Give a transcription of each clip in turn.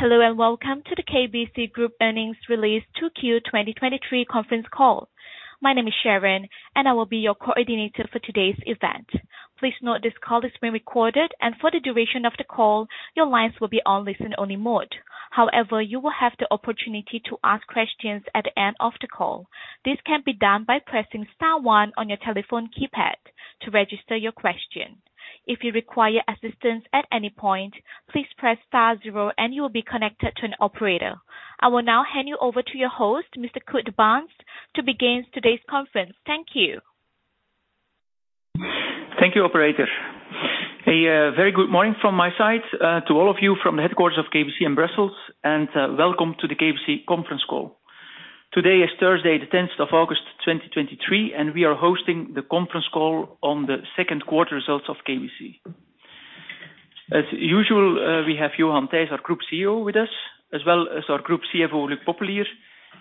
Hello, and welcome to the KBC Group Earnings Release 2Q 2023 conference call. My name is Sharon, and I will be your coordinator for today's event. Please note this call is being recorded, and for the duration of the call, your lines will be on listen-only mode. However, you will have the opportunity to ask questions at the end of the call. This can be done by pressing star one on your telephone keypad to register your question. If you require assistance at any point, please press star zero, and you will be connected to an operator. I will now hand you over to your host, Mr. Kurt De Baenst, to begin today's conference. Thank you. Thank you, operator. A very good morning from my side to all of you from the headquarters of KBC in Brussels, and welcome to the KBC conference call. Today is Thursday, the tenth of August 2023, and we are hosting the conference call on the second quarter results of KBC. As usual, we have Johan Thijs, our Group CEO, with us, as well as our Group CFO, Luc Popelier,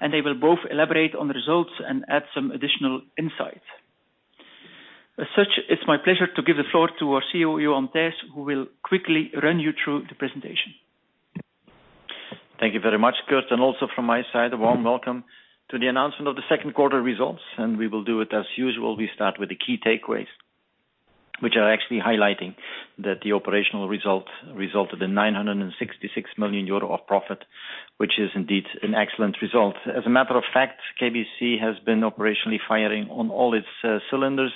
and they will both elaborate on the results and add some additional insights. As such, it's my pleasure to give the floor to our CEO, Johan Thijs, who will quickly run you through the presentation. Thank you very much, Kurt, and also from my side, a warm welcome to the announcement of the second quarter results. We will do it as usual. We start with the key takeaways, which are actually highlighting that the operational result resulted in 966 million euro of profit, which is indeed an excellent result. As a matter of fact, KBC has been operationally firing on all its cylinders.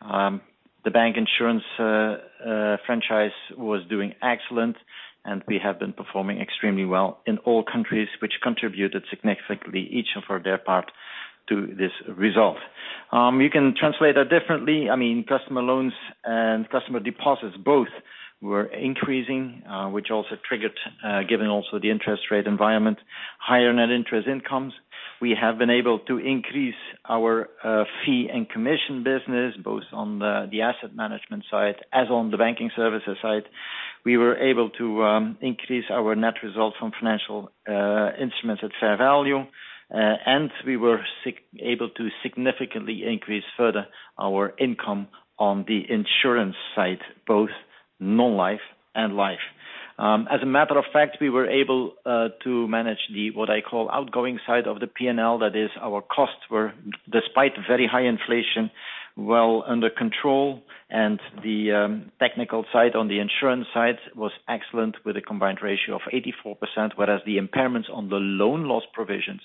The bank insurance franchise was doing excellent. We have been performing extremely well in all countries, which contributed significantly, each for their part, to this result. You can translate that differently. I mean customer loans and customer deposits both were increasing, which also triggered, given also the interest rate environment, higher net interest incomes. We have been able to increase our fee and commission business, both on the asset management side as on the banking services side. We were able to increase our net results from financial instruments at fair value, and we were able to significantly increase further our income on the insurance side, both non-life and life. As a matter of fact, we were able to manage the, what I call, outgoing side of the PNL. That is, our costs were, despite very high inflation, well under control, and the technical side on the insurance side was excellent, with a combined ratio of 84%, whereas the impairments on the loan loss provisions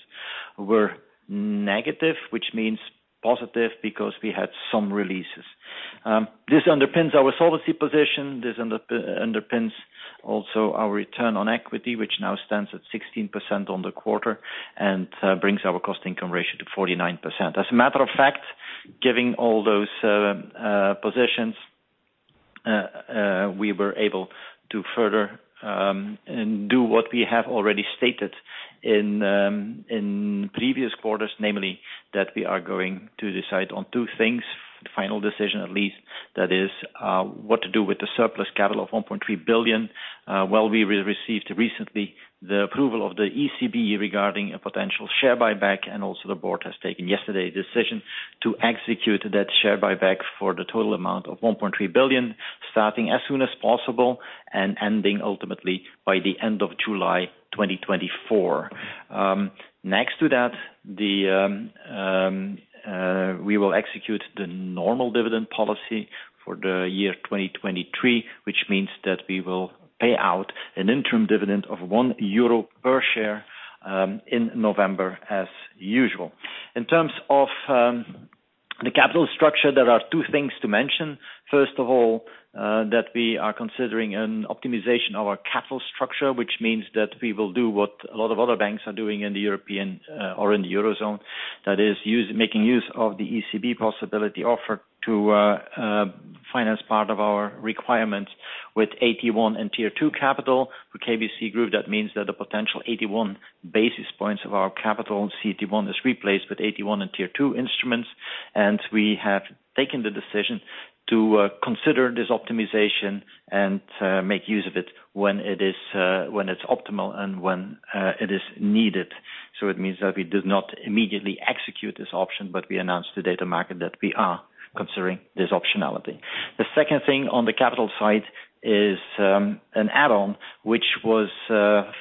were negative, which means positive, because we had some releases. This underpins our solvency position. This underpins also our return on equity, which now stands at 16% on the quarter, and brings our cost-income ratio to 49%. As a matter of fact, giving all those positions, we were able to further and do what we have already stated in previous quarters, namely, that we are going to decide on two things, the final decision, at least, that is, what to do with the surplus capital of 1.3 billion. Well, we received recently the approval of the ECB regarding a potential share buyback, and also the board has taken yesterday, the decision to execute that share buyback for the total amount of 1.3 billion, starting as soon as possible and ending ultimately by the end of July 2024. Next to that, we will execute the normal dividend policy for the year 2023, which means that we will pay out an interim dividend of 1 euro per share in November, as usual. In terms of the capital structure, there are two things to mention. First of all, that we are considering an optimization of our capital structure, which means that we will do what a lot of other banks are doing in the European or in the Eurozone. That is making use of the ECB possibility offered to finance part of our requirements with AT1 and Tier 2 capital. For KBC Group, that means that the potential AT1 basis points of our capital, CT1, is replaced with AT1 and Tier 2 instruments, we have taken the decision to consider this optimization and make use of it when it's optimal and when it is needed. It means that we do not immediately execute this option, but we announce to data market that we are considering this optionality. The second thing on the capital side is an add-on, which was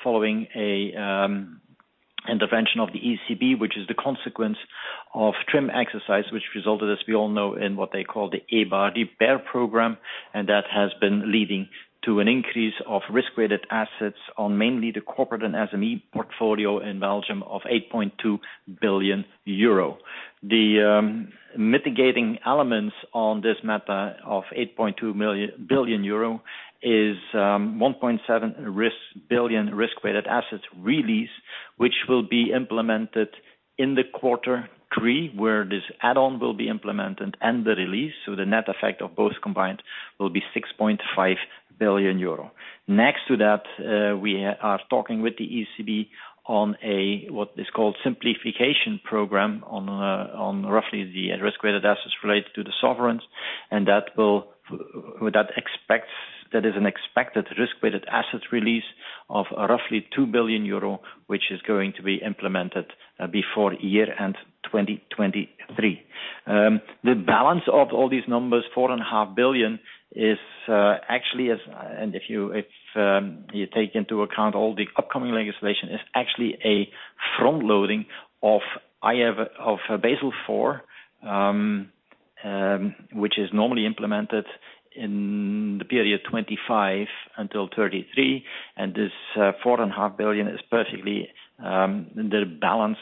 following an intervention of the ECB, which is the consequence of TRIM exercise, which resulted, as we all know, in what they call the EBA IRRBB program, that has been leading to an increase of risk-weighted assets on mainly the corporate and SME portfolio in Belgium of 8.2 billion euro. The mitigating elements on this matter of 8.2 billion euro is 1.7 risk billion risk-weighted assets release, which will be implemented in the quarter three, where this add-on will be implemented and the release, so the net effect of both combined will be 6.5 billion euro. Next to that, we are talking with the ECB on a, what is called, simplification program on roughly the risk-weighted assets related to the sovereigns, that will. That is an expected risk-weighted asset release of roughly 2 billion euro, which is going to be implemented before year end 2023. The balance of all these numbers, 4.5 billion, is actually as, and if you, if you take into account all the upcoming legislation, is actually a front loading of Basel IV, which is normally implemented in the period 2025 until 2033. This 4.5 billion is perfectly, the balance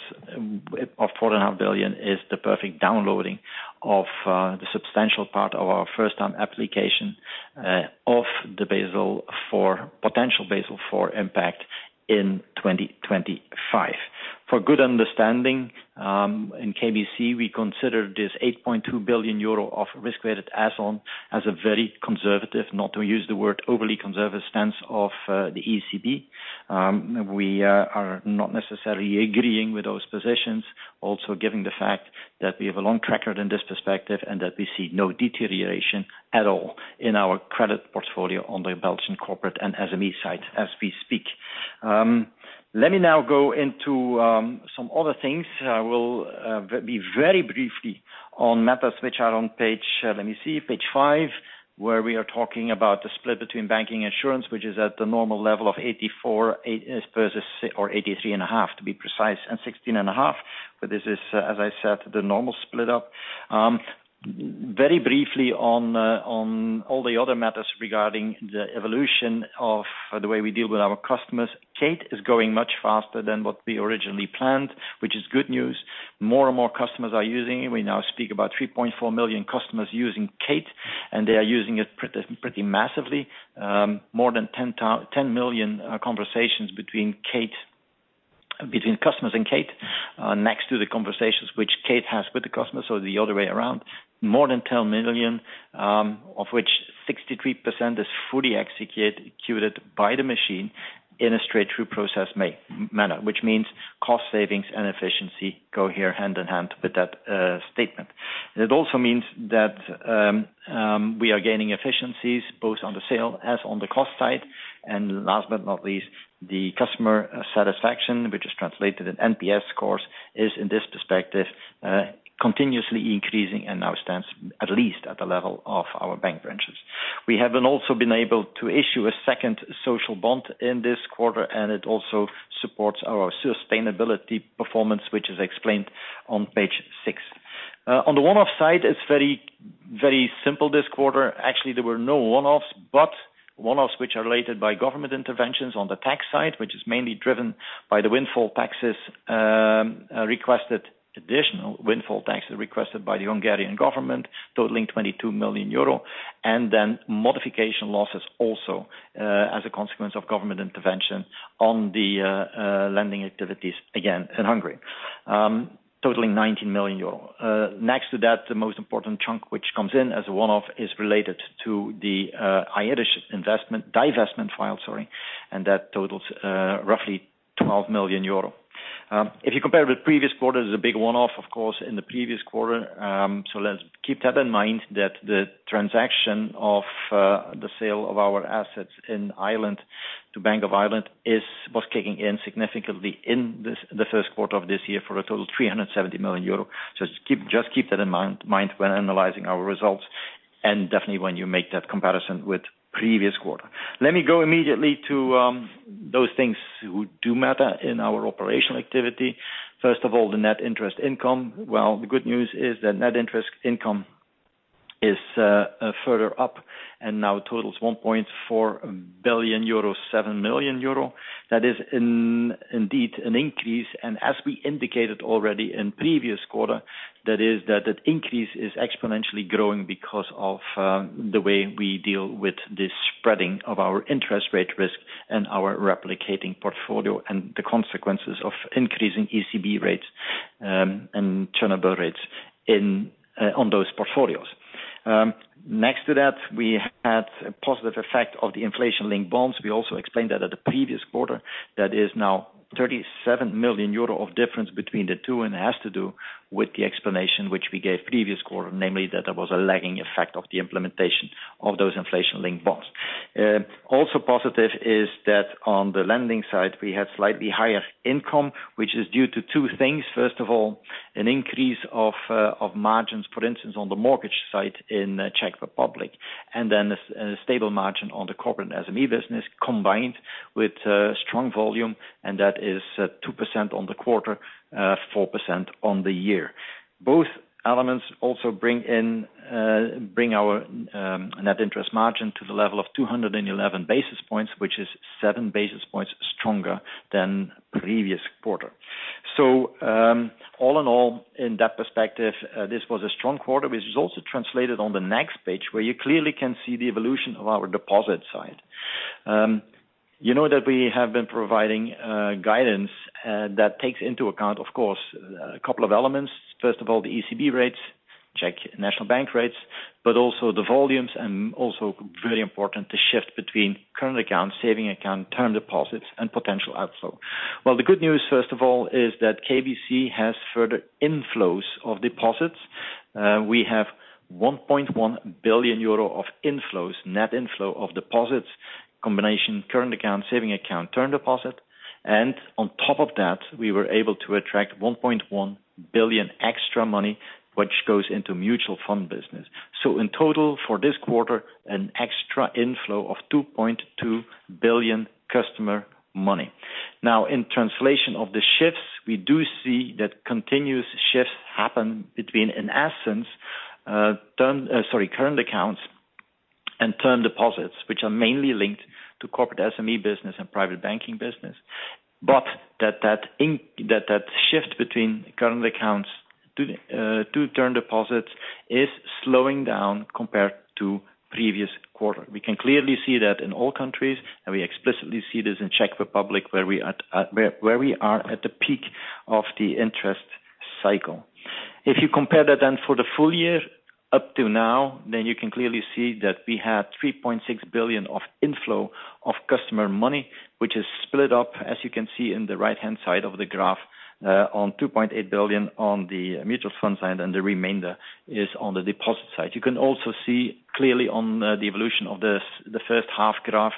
of 4.5 billion is the perfect downloading of the substantial part of our first time application of the Basel for potential Basel IV impact in 2025. For good understanding, in KBC, we consider this 8.2 billion euro of risk-weighted assets as a very conservative, not to use the word, overly conservative stance of the ECB. We are not necessarily agreeing with those positions. Given the fact that we have a long tracker in this perspective, and that we see no deterioration at all in our credit portfolio on the Belgian corporate and SME side as we speak. Let me now go into some other things. I will be very briefly on matters which are on page, let me see, page 5, where we are talking about the split between banking insurance, which is at the normal level of 84.8 as versus, or 83.5, to be precise, and 16.5. This is, as I said, the normal split up. Very briefly on all the other matters regarding the evolution of the way we deal with our customers. Kate is going much faster than what we originally planned, which is good news. More and more customers are using it. We now speak about 3.4 million customers using Kate, and they are using it pretty massively. More than 10 million conversations between Kate, between customers and Kate, next to the conversations which Kate has with the customers or the other way around. More than 10 million, of which 63% is fully executed, executed by the machine in a straight-through process manner. Which means cost savings and efficiency go here hand in hand with that statement. It also means that we are gaining efficiencies both on the sale as on the cost side. Last but not least, the customer satisfaction, which is translated in NPS scores, is, in this perspective, continuously increasing and now stands at least at the level of our bank branches. We have been also been able to issue a second social bond in this quarter, and it also supports our sustainability performance, which is explained on page 6. On the one-off side, it's very, very simple this quarter. Actually, there were no one-offs, but one-offs which are related by government interventions on the tax side, which is mainly driven by the windfall taxes, requested, additional windfall taxes requested by the Hungarian government, totaling 22 million euro. Modification losses also, as a consequence of government intervention on the lending activities again in Hungary, totaling 19 million euro. Next to that, the most important chunk, which comes in as a one-off, is related to the Irish investment, divestment file, sorry, and that totals, roughly 12 million euro. If you compare with previous quarters, a big one-off, of course, in the previous quarter. Let's keep that in mind, that the transaction of the sale of our assets in Ireland to Bank of Ireland was kicking in significantly in this, the first quarter of this year for a total of 370 million euro. Just keep that in mind when analyzing our results and definitely when you make that comparison with previous quarter. Let me go immediately to those things who do matter in our operational activity. First of all, the net interest income. Well, the good news is that net interest income is further up and now totals 1.4 billion euro, 7 million euro. Indeed an increase. As we indicated already in previous quarter, that is that the increase is exponentially growing because of the way we deal with the spreading of our interest rate risk and our replicating portfolio, and the consequences of increasing ECB rates and turnover rates in on those portfolios. Next to that, we had a positive effect of the inflation-linked bonds. We also explained that at the previous quarter, that is now 37 million euro of difference between the two, and has to do with the explanation which we gave previous quarter. Namely, that there was a lagging effect of the implementation of those inflation-linked bonds. Also positive is that on the lending side, we had slightly higher income, which is due to two things. First of all, an increase of margins, for instance, on the mortgage side in the Czech Republic, a stable margin on the corporate SME business, combined with strong volume, that is 2% on the quarter, 4% on the year. Both elements also bring in our net interest margin to the level of 211 basis points, which is 7 basis points stronger than previous quarter. All in all, in that perspective, this was a strong quarter, which is also translated on the next page, where you clearly can see the evolution of our deposit side. You know that we have been providing guidance that takes into account, of course, a couple of elements. First of all, the ECB rates, Czech National Bank rates, also the volumes, also very important, the shift between current accounts, saving account, term deposits, and potential outflow. Well, the good news, first of all, is that KBC has further inflows of deposits. We have 1.1 billion euro of inflows, net inflow of deposits. Combination, current account, saving account, term deposit, and on top of that, we were able to attract 1.1 billion extra money, which goes into mutual fund business. In total, for this quarter, an extra inflow of 2.2 billion customer money. Now, in translation of the shifts, we do see that continuous shifts happen between, in essence, term, sorry, current accounts and term deposits, which are mainly linked to corporate SME business and private banking business. That, that in, that, that shift between current accounts to term deposits is slowing down compared to previous quarter. We can clearly see that in all countries, and we explicitly see this in Czech Republic, where we are at the peak of the interest cycle. If you compare that then for the full year up to now, then you can clearly see that we had 3.6 billion of inflow of customer money, which is split up, as you can see in the right-hand side of the graph, on 2.8 billion on the mutual fund side, and the remainder is on the deposit side. You can also see clearly on the evolution of the first half graph,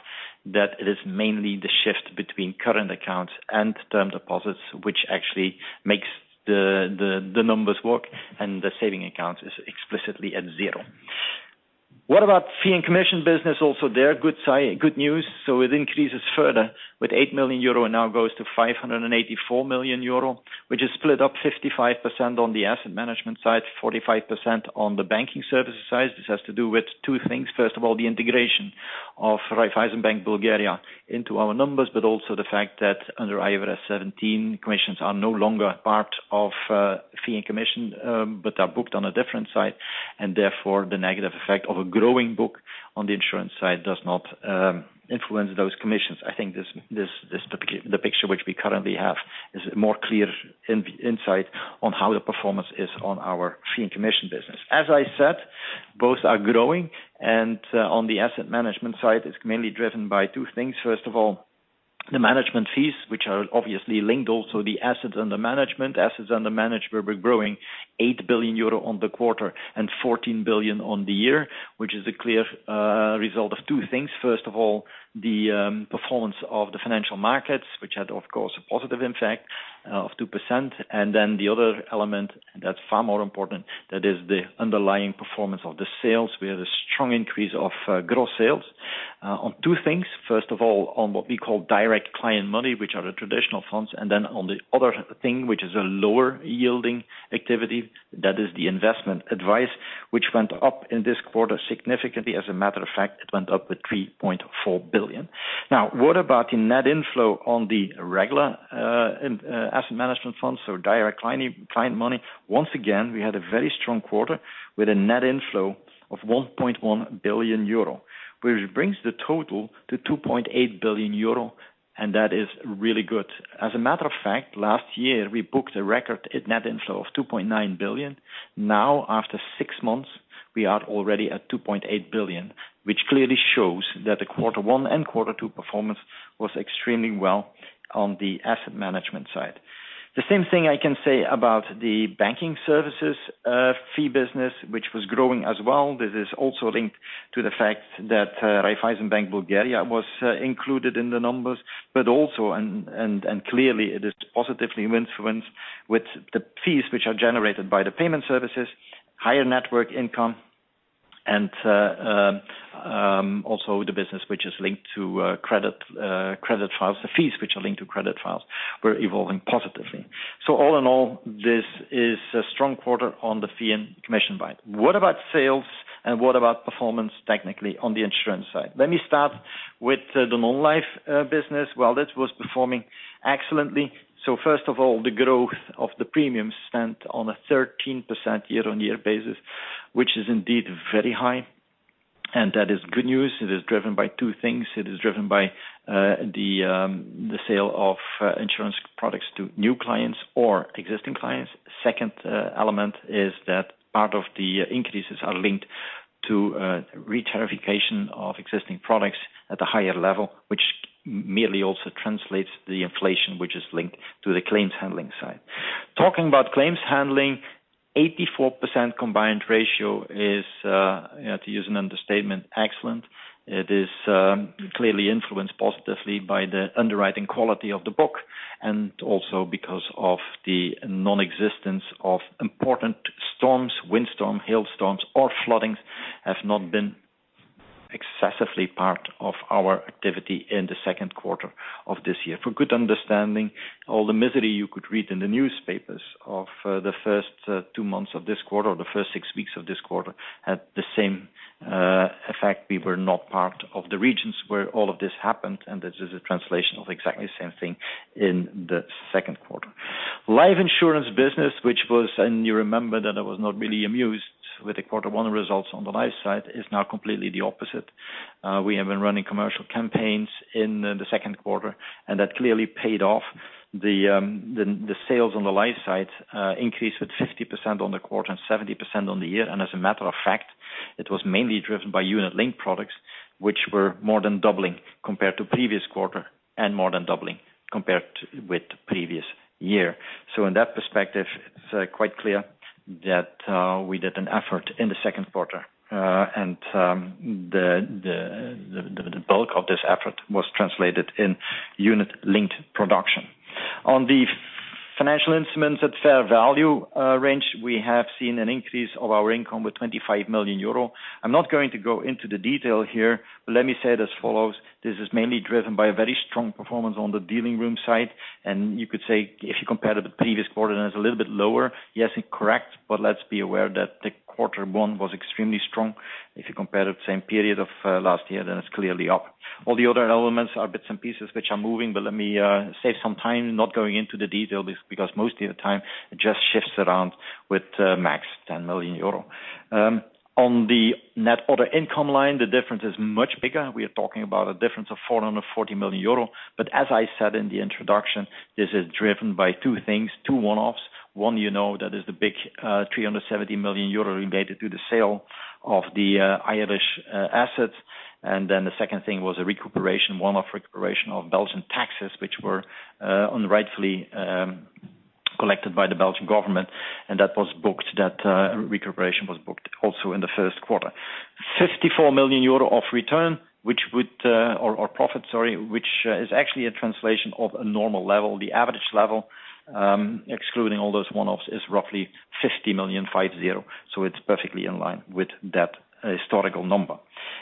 that it is mainly the shift between current accounts and term deposits, which actually makes the numbers work, and the saving accounts is explicitly at zero. What about fee and commission business? Also there, good news. It increases further with 8 million euro and now goes to 584 million euro, which is split up 55% on the asset management side, 45% on the banking services side. This has to do with two things. First of all, the integration of Raiffeisenbank Bulgaria into our numbers, but also the fact that under IFRS 17, commissions are no longer part of, fee and commission, but are booked on a different side, and therefore, the negative effect of a growing book on the insurance side does not influence those commissions. I think this, this, this, the picture which we currently have is more clear insight on how the performance is on our fee and commission business. As I said, both are growing, and on the asset management side, it's mainly driven by two things. First of all, the management fees, which are obviously linked also the assets under management. Assets under management were growing 8 billion euro on the quarter, and 14 billion on the year, which is a clear result of two things. First of all, the performance of the financial markets, which had, of course, a positive impact of 2%. The other element that's far more important, that is the underlying performance of the sales. We had a strong increase of gross sales on two things. First of all, on what we call direct client money, which are the traditional funds, and then on the other thing, which is a lower yielding activity, that is the investment advice, which went up in this quarter significantly. As a matter of fact, it went up with 3.4 billion. Now, what about the net inflow on the regular in asset management funds, so direct client, client money? Once again, we had a very strong quarter with a net inflow of 1.1 billion euro, which brings the total to 2.8 billion euro. That is really good. As a matter of fact, last year, we booked a record in net inflow of 2.9 billion. Now, after six months, we are already at 2.8 billion, which clearly shows that the Q1 and Q2 performance was extremely well on the asset management side. The same thing I can say about the banking services, fee business, which was growing as well. This is also linked to the fact that Raiffeisenbank Bulgaria was included in the numbers, but also and clearly, it is positively influenced with the fees which are generated by the payment services, higher network income, and also the business which is linked to credit files, the fees which are linked to credit files, were evolving positively. All in all, this is a strong quarter on the fee and commission side. What about sales, and what about performance technically on the insurance side? Let me start with the non-life business. Well, that was performing excellently. First of all, the growth of the premiums stand on a 13% year-on-year basis, which is indeed very high, and that is good news. It is driven by two things. It is driven by the sale of insurance products to new clients or existing clients. Second, element is that part of the increases are linked to re-tarification of existing products at a higher level, which merely also translates the inflation, which is linked to the claims handling side. Talking about claims handling, 84% combined ratio is to use an understatement, excellent. It is clearly influenced positively by the underwriting quality of the book, and also because of the non-existence of important storms, windstorm, hailstorms, or floodings, have not been excessively part of our activity in the second quarter of this year. For good understanding, all the misery you could read in the newspapers of the first two months of this quarter, or the first six weeks of this quarter, had the same effect. We were not part of the regions where all of this happened. This is a translation of exactly the same thing in the second quarter. Life insurance business, which was... and you remember that I was not really amused with the quarter one results on the life side, is now completely the opposite. We have been running commercial campaigns in the second quarter, and that clearly paid off. The sales on the life side increased with 50% on the quarter and 70% on the year. As a matter of fact, it was mainly driven by unit-linked products, which were more than doubling compared to previous quarter, and more than doubling compared with the previous year. In that perspective, it's quite clear that we did an effort in the second quarter. The bulk of this effort was translated in unit linked production. On the financial instruments at fair value range, we have seen an increase of our income with 25 million euro. I'm not going to go into the detail here, but let me say it as follows: this is mainly driven by a very strong performance on the dealing room side, and you could say, if you compare to the previous quarter, then it's a little bit lower. Yes, incorrect, but let's be aware that the Q1 was extremely strong. If you compare the same period of last year, then it's clearly up. All the other elements are bits and pieces which are moving, but let me save some time not going into the detail, because most of the time it just shifts around with max 10 million euro. On the net other income line, the difference is much bigger. We are talking about a difference of 440 million euro, but as I said in the introduction, this is driven by two things, two one-offs. One, you know, that is the big 370 million euro related to the sale of the Irish assets. Then the second thing was a recuperation, one-off recuperation of Belgian taxes, which were unrightfully collected by the Belgian government, and that was booked, that recuperation was booked also in the first quarter. 54 million euro of return, which would, or, or profit, sorry, which, is actually a translation of a normal level. The average level, excluding all those one-offs, is roughly 50 million, so it's perfectly in line with that historical number.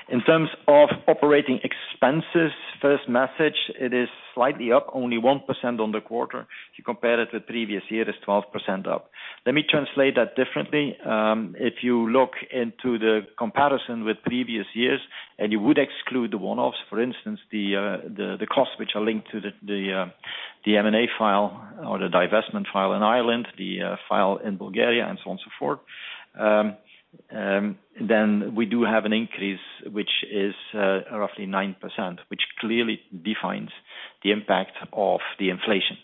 In terms of operating expenses, first message, it is slightly up, only 1% on the quarter. If you compare it with previous year, it is 12% up. Let me translate that differently. If you look into the comparison with previous years, and you would exclude the one-offs, for instance, the costs which are linked to the M&A file or the divestment file in Ireland, the file in Bulgaria, and so on and so forth, then we do have an increase, which is roughly 9%, which clearly defines the impact of the inflation.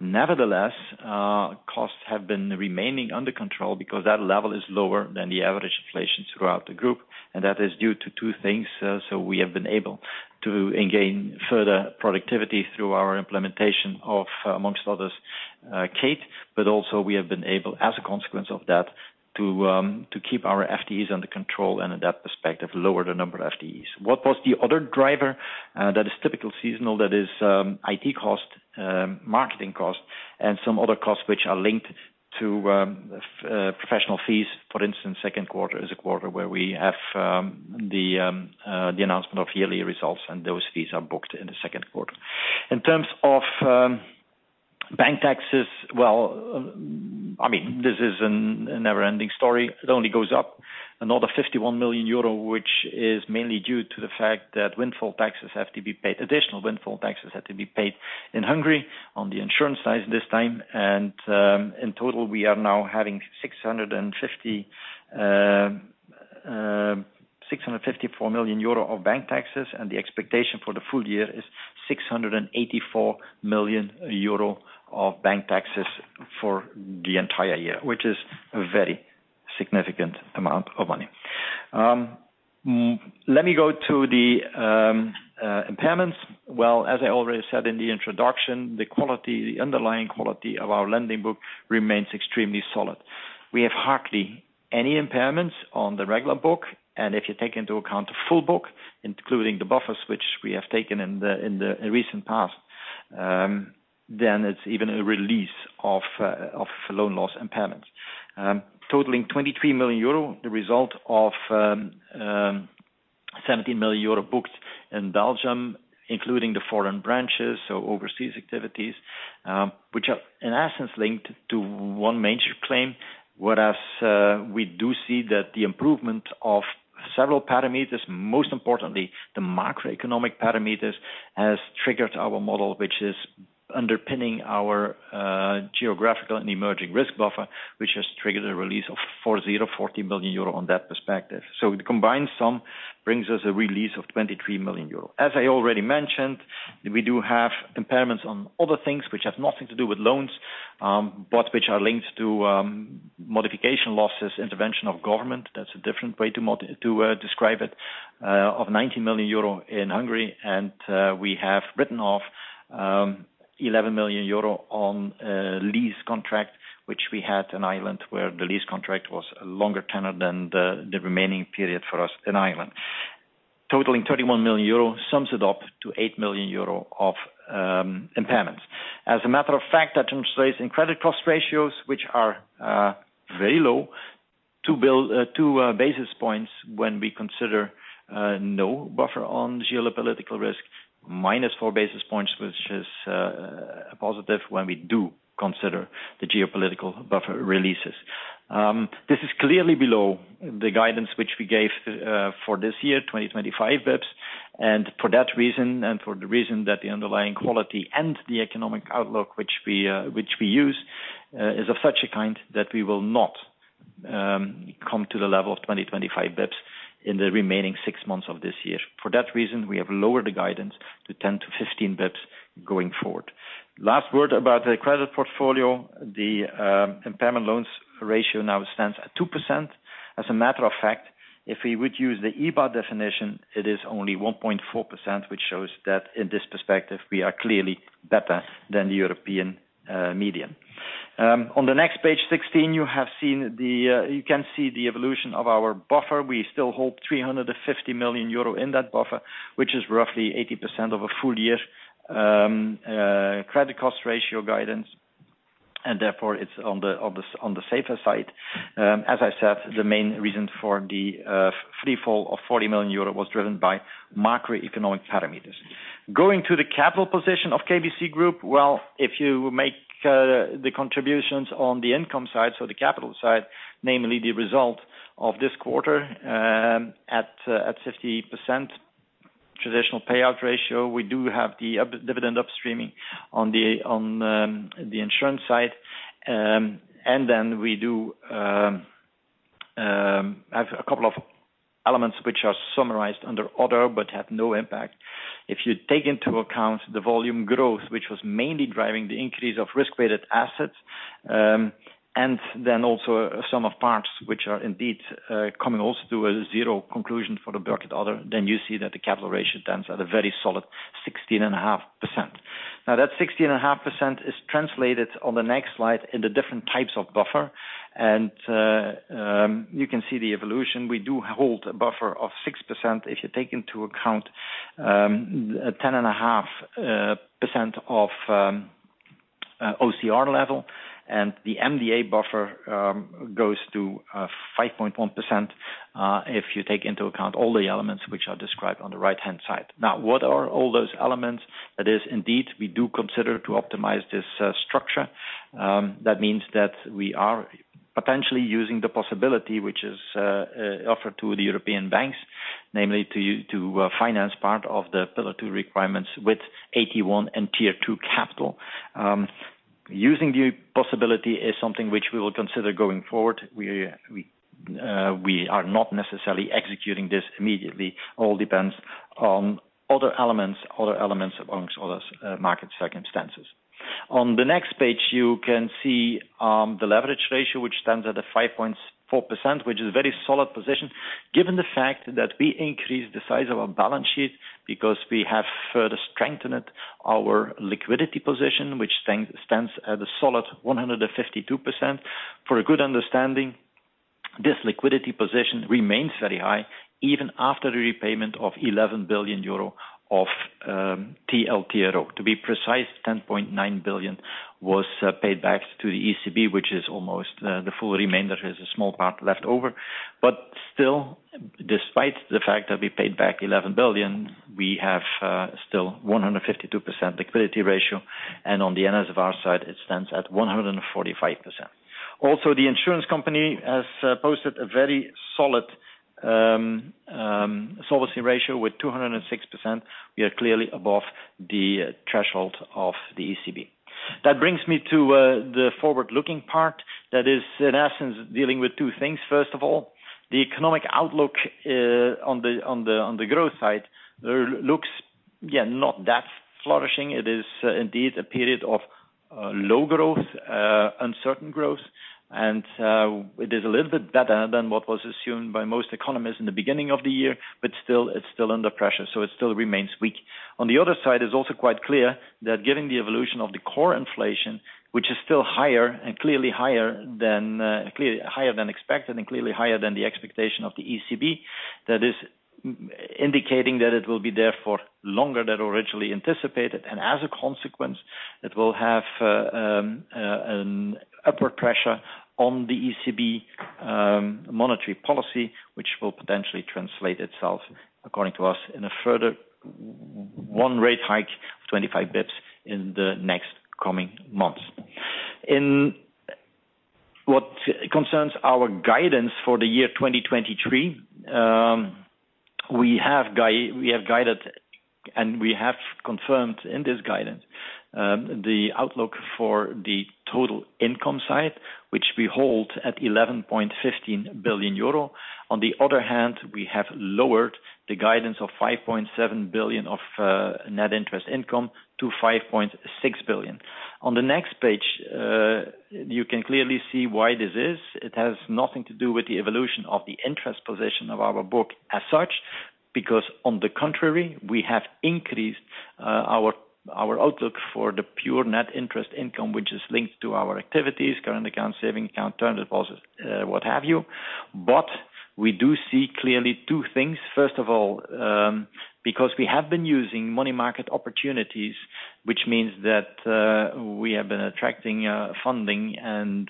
Nevertheless, costs have been remaining under control because that level is lower than the average inflation throughout the group, and that is due to 2 things. We have been able to gain further productivity through our implementation of, amongst others, Kate, but also we have been able, as a consequence of that, to keep our FTEs under control, and in that perspective, lower the number of FTEs. What was the other driver? That is typical seasonal, that is, IT cost, marketing cost, and some other costs which are linked to professional fees. For instance, second quarter is a quarter where we have the announcement of yearly results, and those fees are booked in the second quarter. In terms of bank taxes, well, I mean, this is a never-ending story. It only goes up. Another 51 million euro, which is mainly due to the fact that windfall taxes have to be paid, additional windfall taxes have to be paid in Hungary on the insurance side this time. In total, we are now having 654 million euro of bank taxes, and the expectation for the full year is 684 million euro of bank taxes for the entire year, which is a very significant amount of money. Let me go to the impairments. Well, as I already said in the introduction, the quality, the underlying quality of our lending book remains extremely solid. We have hardly any impairments on the regular book, and if you take into account the full book, including the buffers which we have taken in the, in the, in recent past, then it's even a release of loan loss impairments. Totaling 23 million euro, the result of 17 million euro booked in Belgium, including the foreign branches, so overseas activities, which are, in essence, linked to one major claim. We do see that the improvement of several parameters, most importantly, the macroeconomic parameters, has triggered our model, which is underpinning our geographical and emerging risk buffer, which has triggered a release of 40 million euro on that perspective. The combined sum brings us a release of 23 million euro. As I already mentioned, we do have impairments on other things which have nothing to do with loans, but which are linked to modification losses, intervention of government, that's a different way to describe it, of 90 million euro in Hungary. We have written off 11 million euro on a lease contract, which we had in Ireland, where the lease contract was a longer tenure than the remaining period for us in Ireland. Totaling 31 million euro, sums it up to 8 million euro of impairments. As a matter of fact, that translates in credit cost ratios, which are very low, to build 2 basis points when we consider no buffer on geopolitical risk, -4 basis points, which is a positive when we do consider the geopolitical buffer releases. This is clearly below the guidance which we gave for this year, 20-25 dips, and for that reason, and for the reason that the underlying quality and the economic outlook, which we which we use, is of such a kind that we will not come to the level of 20-25 dips in the remaining 6 months of this year. For that reason, we have lowered the guidance to 10-15 dips going forward. Last word about the credit portfolio. The impairment loans ratio now stands at 2%. As a matter of fact, if we would use the EBA definition, it is only 1.4%, which shows that in this perspective, we are clearly better than the European median. On the next page 16, you have seen the, you can see the evolution of our buffer. We still hold 350 million euro in that buffer, which is roughly 80% of a full year credit cost ratio guidance, and therefore, it's on the, on the, on the safer side. As I said, the main reason for the free fall of 40 million euro was driven by macroeconomic parameters. Going to the capital position of KBC Group, well, if you make the contributions on the income side, so the capital side, namely the result of this quarter, at 50% traditional payout ratio, we do have the up- dividend upstreaming on the, on the insurance side. Then we do have a couple of elements which are summarized under other, but have no impact. If you take into account the volume growth, which was mainly driving the increase of risk-weighted assets, and then also a sum of parts, which are indeed, coming also to a zero conclusion for the book at other, then you see that the capital ratio stands at a very solid 16.5%. That 16.5% is translated on the next slide in the different types of buffer, and you can see the evolution. We do hold a buffer of 6% if you take into account, 10.5% of OCR level, and the MDA buffer goes to 5.1%, if you take into account all the elements which are described on the right-hand side. What are all those elements? That is, indeed, we do consider to optimize this structure. That means that we are potentially using the possibility which is offered to the European banks, namely, to finance part of the Pillar 2 requirements with AT1 and Tier 2 capital. Using the possibility is something which we will consider going forward. We are not necessarily executing this immediately, all depends on other elements, other elements, amongst other market circumstances. On the next page, you can see the leverage ratio, which stands at a 5.4%, which is a very solid position, given the fact that we increased the size of our balance sheet because we have further strengthened our liquidity position, which stands at a solid 152%. For a good understanding, this liquidity position remains very high, even after the repayment of 11 billion euro of TLTRO. To be precise, 10.9 billion was paid back to the ECB, which is almost the full remainder, is a small part left over. Still, despite the fact that we paid back 11 billion, we have still 152% liquidity ratio, and on the NSFR side, it stands at 145%. Also, the insurance company has posted a very solid solvency ratio with 206%. We are clearly above the threshold of the ECB. That brings me to the forward-looking part that is, in essence, dealing with two things. First of all, the economic outlook on the, on the, on the growth side, looks, yeah, not that flourishing. It is indeed a period of low growth, uncertain growth, and it is a little bit better than what was assumed by most economists in the beginning of the year, but still, it's still under pressure, so it still remains weak. On the other side, it's also quite clear that given the evolution of the core inflation, which is still higher and clearly higher than clearly higher than expected, and clearly higher than the expectation of the ECB, that is indicating that it will be there for longer than originally anticipated. As a consequence, it will have an upward pressure on the ECB monetary policy, which will potentially translate itself, according to us, in a further one rate hike of 25 basis points in the next coming months. In what concerns our guidance for the year 2023, we have guided, and we have confirmed in this guidance, the outlook for the total income side, which we hold at 11.15 billion euro. On the other hand, we have lowered the guidance of 5.7 billion of net interest income to 5.6 billion. On the next page, you can clearly see why this is. It has nothing to do with the evolution of the interest position of our book as such, because on the contrary, we have increased our outlook for the pure net interest income, which is linked to our activities, current account, savings account, term deposits, what have you. We do see clearly two things. First of all, because we have been using money market opportunities, which means that we have been attracting funding and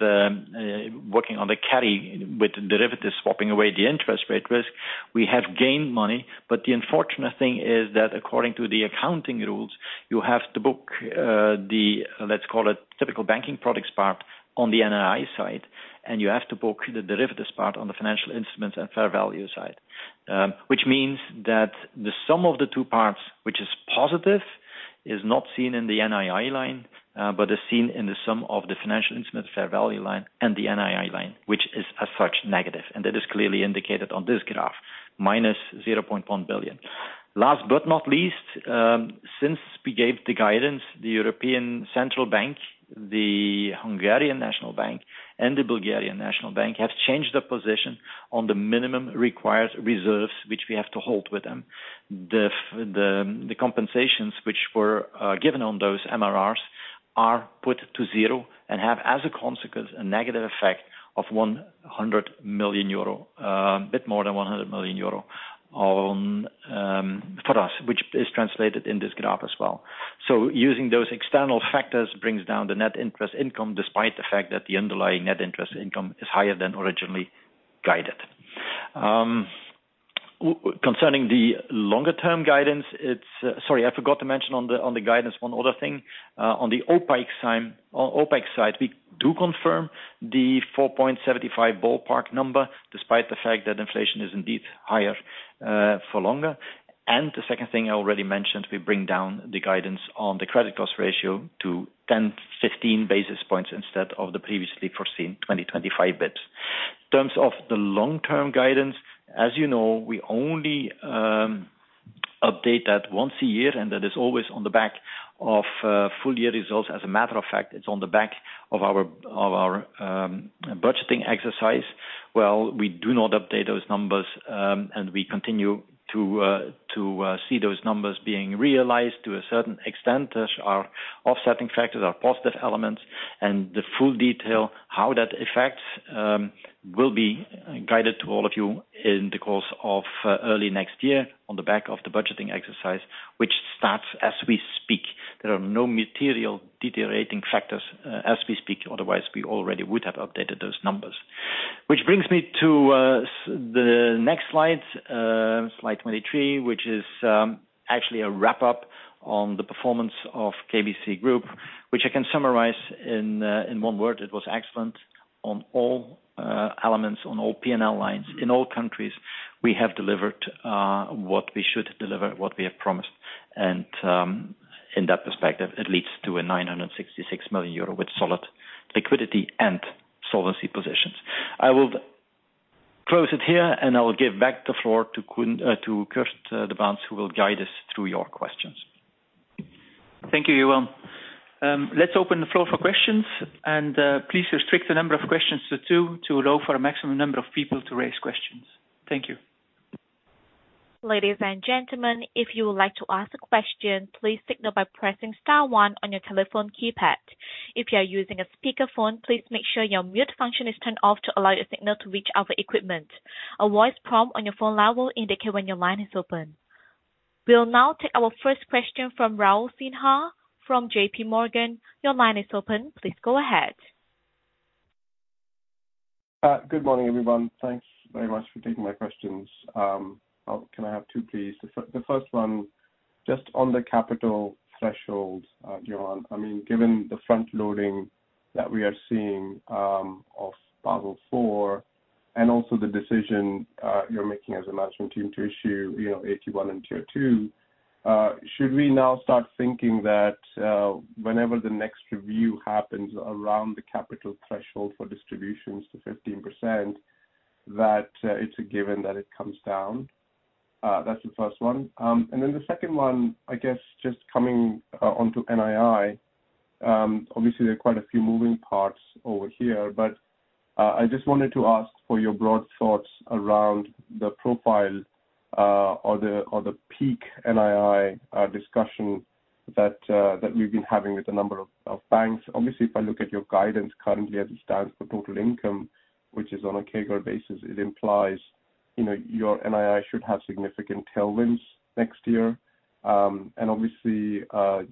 working on the carry with derivatives, swapping away the interest rate risk, we have gained money. The unfortunate thing is that according to the accounting rules, you have to book the, let's call it, typical banking products part on the NII side, and you have to book the derivatives part on the financial instruments and fair value side. Which means that the sum of the two parts, which is positive, is not seen in the NII line, but is seen in the sum of the financial instrument fair value line and the NII line, which is as such, negative. That is clearly indicated on this graph, -0.1 billion. Last but not least, since we gave the guidance, the European Central Bank, the Hungarian National Bank, and the Bulgarian National Bank have changed their position on the minimum required reserves, which we have to hold with them. The compensations which were given on those MRRs are put to zero and have, as a consequence, a negative effect of 100 million euro, a bit more than 100 million euro on for us, which is translated in this graph as well. Using those external factors brings down the net interest income, despite the fact that the underlying net interest income is higher than originally guided. Concerning the longer term guidance, it's. Sorry, I forgot to mention on the guidance one other thing. On the OPEX side, on OPEX side, we do confirm the 4.75 ballpark number, despite the fact that inflation is indeed higher for longer. The second thing I already mentioned, we bring down the guidance on the credit cost ratio to 10-15 basis points instead of the previously foreseen 20-25 bits. In terms of the long-term guidance, as you know, we only update that once a year, and that is always on the back of full year results. As a matter of fact, it's on the back of our, of our budgeting exercise. Well, we do not update those numbers, and we continue to see those numbers being realized to a certain extent. Those are offsetting factors, are positive elements, and the full detail how that affects will be guided to all of you in the course of early next year on the back of the budgeting exercise, which starts as we speak. There are no material deteriorating factors as we speak, otherwise, we already would have updated those numbers. Which brings me to the next slide, slide 23, which is actually a wrap up on the performance of KBC Group, which I can summarize in one word, it was excellent on all elements, on all PNL lines. In all countries, we have delivered what we should deliver, what we have promised, and in that perspective, it leads to a 966 million euro with solid liquidity and solvency positions. I will close it here, and I will give back the floor to Kurt De Baenst, who will guide us through your questions. Thank you, Johan. Let's open the floor for questions, and please restrict the number of questions to two, to allow for a maximum number of people to raise questions. Thank you. Ladies and gentlemen, if you would like to ask a question, please signal by pressing star one on your telephone keypad. If you are using a speakerphone, please make sure your mute function is turned off to allow your signal to reach our equipment. A voice prompt on your phone line will indicate when your line is open. We'll now take our first question from Raul Sinha from JPMorgan. Your line is open. Please go ahead. Good morning, everyone. Thanks very much for taking my questions. Can I have two, please? The first one, just on the capital threshold, Johan, I mean, given the front loading that we are seeing, of Basel IV, and also the decision, you're making as a management team to issue, you know, AT1 and Tier 2, should we now start thinking that, whenever the next review happens around the capital threshold for distributions to 15%, that, it's a given that it comes down? That's the first one. Then the second one, I guess, just coming, onto NII. Obviously there are quite a few moving parts over here, I just wanted to ask for your broad thoughts around the profile, or the, or the peak NII discussion that we've been having with a number of banks. Obviously, if I look at your guidance currently as it stands for total income, which is on a CAGR basis, it implies, you know, your NII should have significant tailwinds next year. Obviously, you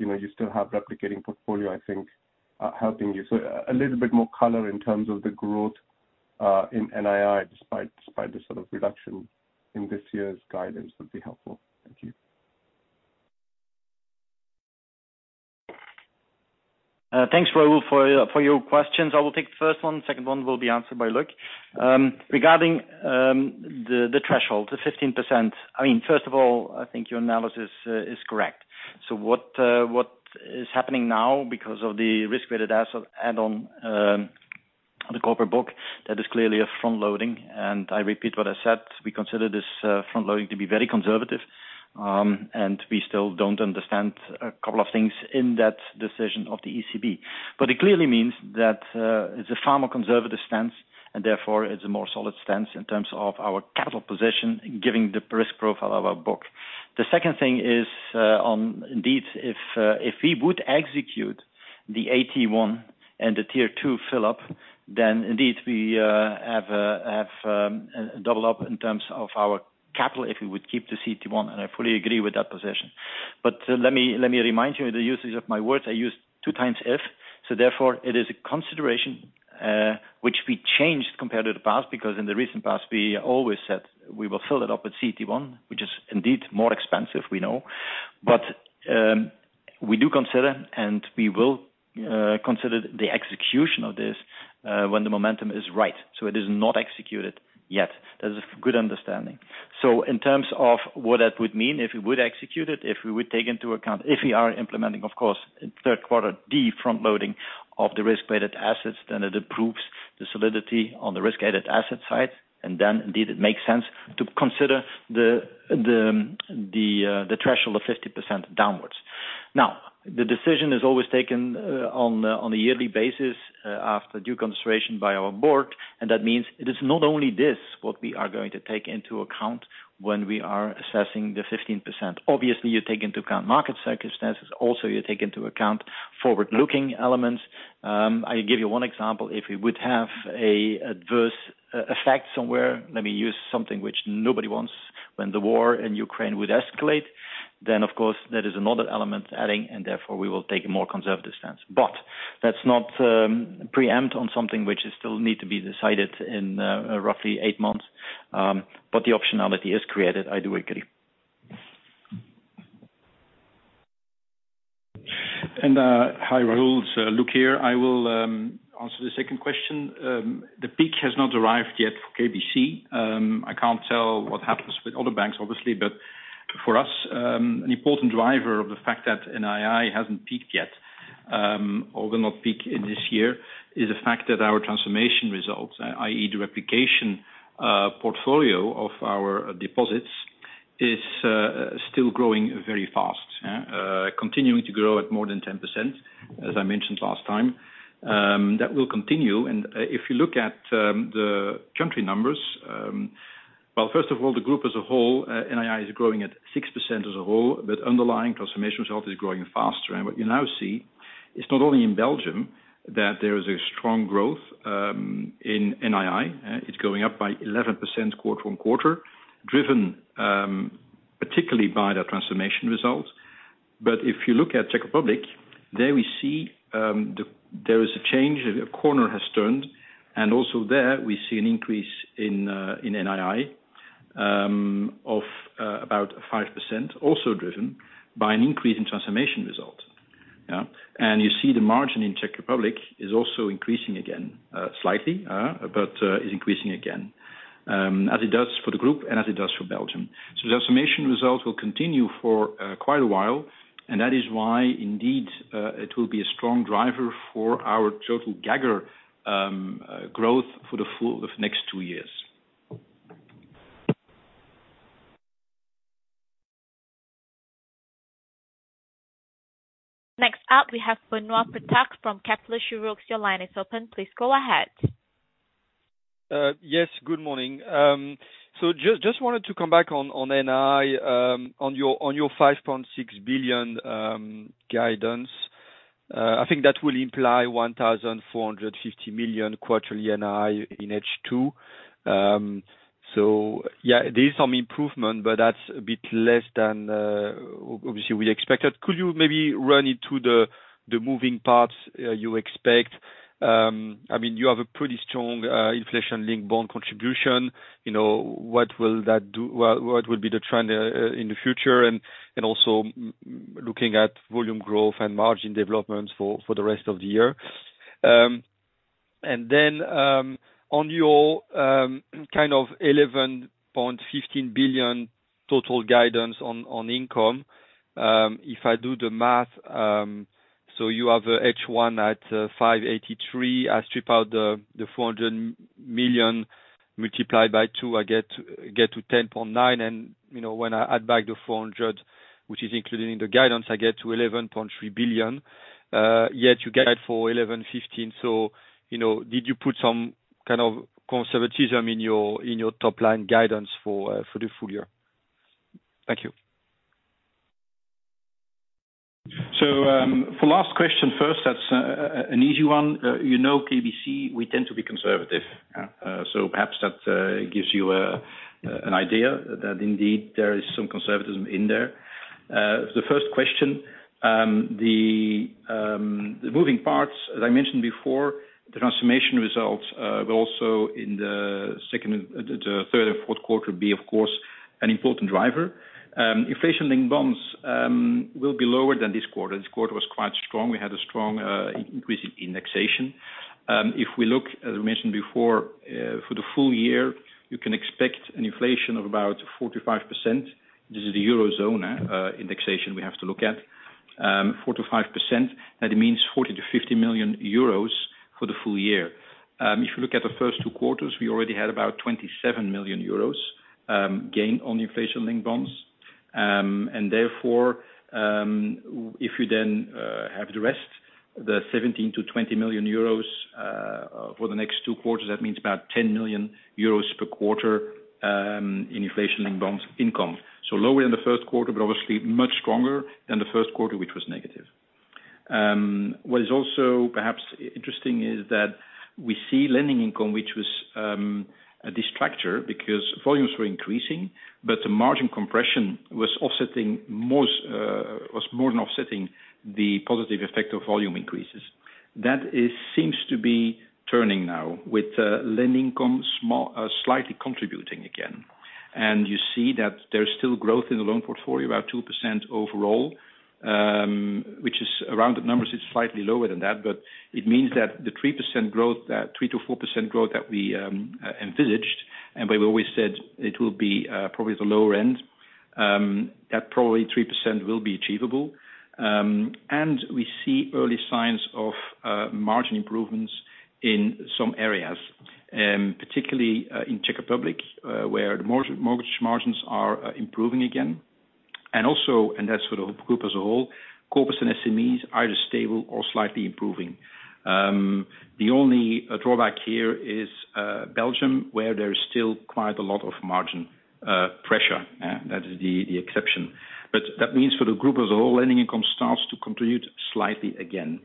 know, you still have replicating portfolio, I think, helping you. A little bit more color in terms of the growth in NII, despite, despite the sort of reduction in this year's guidance would be helpful. Thank you. Thanks, Raul, for your questions. I will take the first one. Second one will be answered by Luke. Regarding the threshold, the 15%. I mean, first of all, I think your analysis is correct. What is happening now because of the risk-weighted asset add on, the corporate book, that is clearly a front loading, and I repeat what I said, we consider this front loading to be very conservative, and we still don't understand a couple of things in that decision of the ECB. It clearly means that it's a far more conservative stance, and therefore, it's a more solid stance in terms of our capital position, giving the risk profile of our book. The second thing is, on indeed, if, if we would execute the AT1 and the Tier 2 fill up, then indeed, we have, have, double up in terms of our capital, if we would keep the CT1, and I fully agree with that position. Let me, let me remind you the usage of my words. I used 2x if, so therefore, it is a consideration which we changed compared to the past, because in the recent past, we always said we will fill it up with CT1, which is indeed more expensive, we know. We do consider and we will consider the execution of this when the momentum is right. It is not executed yet. That is a good understanding. In terms of what that would mean, if we would execute it, if we would take into account, if we are implementing, of course, in third quarter, the front loading of the risk-weighted assets, then it approves the solidity on the risk-weighted asset side, and then indeed, it makes sense to consider the, the, the, the threshold of 50% downwards. The decision is always taken on a yearly basis after due consideration by our board, and that means it is not only this, what we are going to take into account when we are assessing the 15%. Obviously, you take into account market circumstances, also you take into account forward-looking elements. I give you one example, if we would have a adverse effect somewhere, let me use something which nobody wants, when the war in Ukraine would escalate, then, of course, there is another element adding, and therefore, we will take a more conservative stance. That's not preempt on something which is still need to be decided in roughly eight months, but the optionality is created, I do agree. Hi, Rahul, it's Luc here. I will answer the second question. The peak has not arrived yet for KBC. I can't tell what happens with other banks, obviously, but for us, an important driver of the fact that NII hasn't peaked yet, or will not peak in this year, is the fact that our transformation results, i.e., the replication portfolio of our deposits, is still growing very fast. Continuing to grow at more than 10%, as I mentioned last time. That will continue, and if you look at the country numbers, well, first of all, the group as a whole, NII is growing at 6% as a whole, but underlying transformation result is growing faster. What you now see, it's not only in Belgium, that there is a strong growth in NII. It's going up by 11% quarter-on-quarter, driven particularly by the transformation results. If you look at Czech Republic, there we see there is a change, a corner has turned, and also there, we see an increase in NII of about 5%, also driven by an increase in transformation result. Yeah. You see the margin in Czech Republic is also increasing again, slightly, but is increasing again, as it does for the group, and as it does for Belgium. The transformation results will continue for quite a while, and that is why, indeed, it will be a strong driver for our total CAGR growth for the full the next 2 years. Next up, we have Benoît Pétrarque from Kepler Cheuvreux. Your line is open, please go ahead. Yes, good morning. Just, just wanted to come back on, on NII, on your, on your 5.6 billion guidance. I think that will imply 1,450 million quarterly NII in H2. Yeah, there is some improvement, but that's a bit less than, obviously, we expected. Could you maybe run into the, the moving parts, you expect? I mean, you have a pretty strong, inflation-linked bond contribution, you know, what will that do-- what, what will be the trend in the future, and, and also looking at volume growth and margin developments for, for the rest of the year? Then on your kind of 11.15 billion total guidance on income, if I do the math, you have a H1 at 5.83 billion. I strip out the 400 million multiplied by two, I get, get to 10.9 billion, and, you know, when I add back the 400 million, which is included in the guidance, I get to 11.3 billion, yet you get it for 11.15 billion. You know, did you put some kind of conservatism in your in your top line guidance for the full year? Thank you. For last question first, that's an easy one. You know, KBC, we tend to be conservative. Perhaps that gives you an idea that indeed there is some conservatism in there. The first question, the moving parts, as I mentioned before, the transformation results will also in the second, the third and fourth quarter, be, of course, an important driver. Inflation linked bonds will be lower than this quarter. This quarter was quite strong. We had a strong, increasing indexation. If we look, as we mentioned before, for the full year, you can expect an inflation of about 4%-5%. This is the Eurozone indexation we have to look at. 4%-5%, that means 40 million-50 million euros for the full year. If you look at the first two quarters, we already had about 27 million euros gain on inflation-linked bonds. Therefore, if you then have the rest, the 17 million-20 million euros for the next two quarters, that means about 10 million euros per quarter in inflation-linked bonds income. Lower than the first quarter, but obviously much stronger than the first quarter, which was negative. What is also perhaps interesting is that we see lending income, which was a distractor, because volumes were increasing, but the margin compression was offsetting most, was more than offsetting the positive effect of volume increases. That seems to be turning now, with lending income small, slightly contributing again. You see that there's still growth in the loan portfolio, about 2% overall, which is, around the numbers, it's slightly lower than that. It means that the 3% growth, that 3%-4% growth that we, envisaged, and we've always said it will be, probably the lower end.... that probably 3% will be achievable. We see early signs of margin improvements in some areas, particularly in Czech Republic, where the mortgage, mortgage margins are improving again, and also, and that's for the group as a whole, Corporates and SMEs are either stable or slightly improving. The only drawback here is Belgium, where there is still quite a lot of margin pressure. That is the, the exception. That means for the group as a whole, lending income starts to contribute slightly again.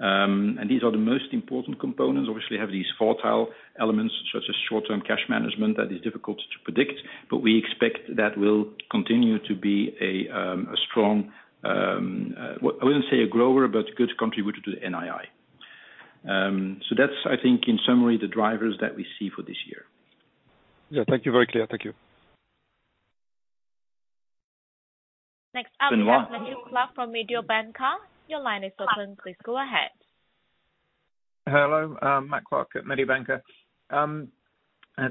These are the most important components. Obviously, you have these quartile elements, such as short-term cash management, that is difficult to predict, but we expect that will continue to be a strong, well, I wouldn't say a grower, but a good contributor to the NII. That's, I think, in summary, the drivers that we see for this year. Yeah. Thank you. Very clear. Thank you. Next up, we have Matthew Clark from Mediobanca. Your line is open. Please go ahead. Hello, Matthew Clark at Mediobanca.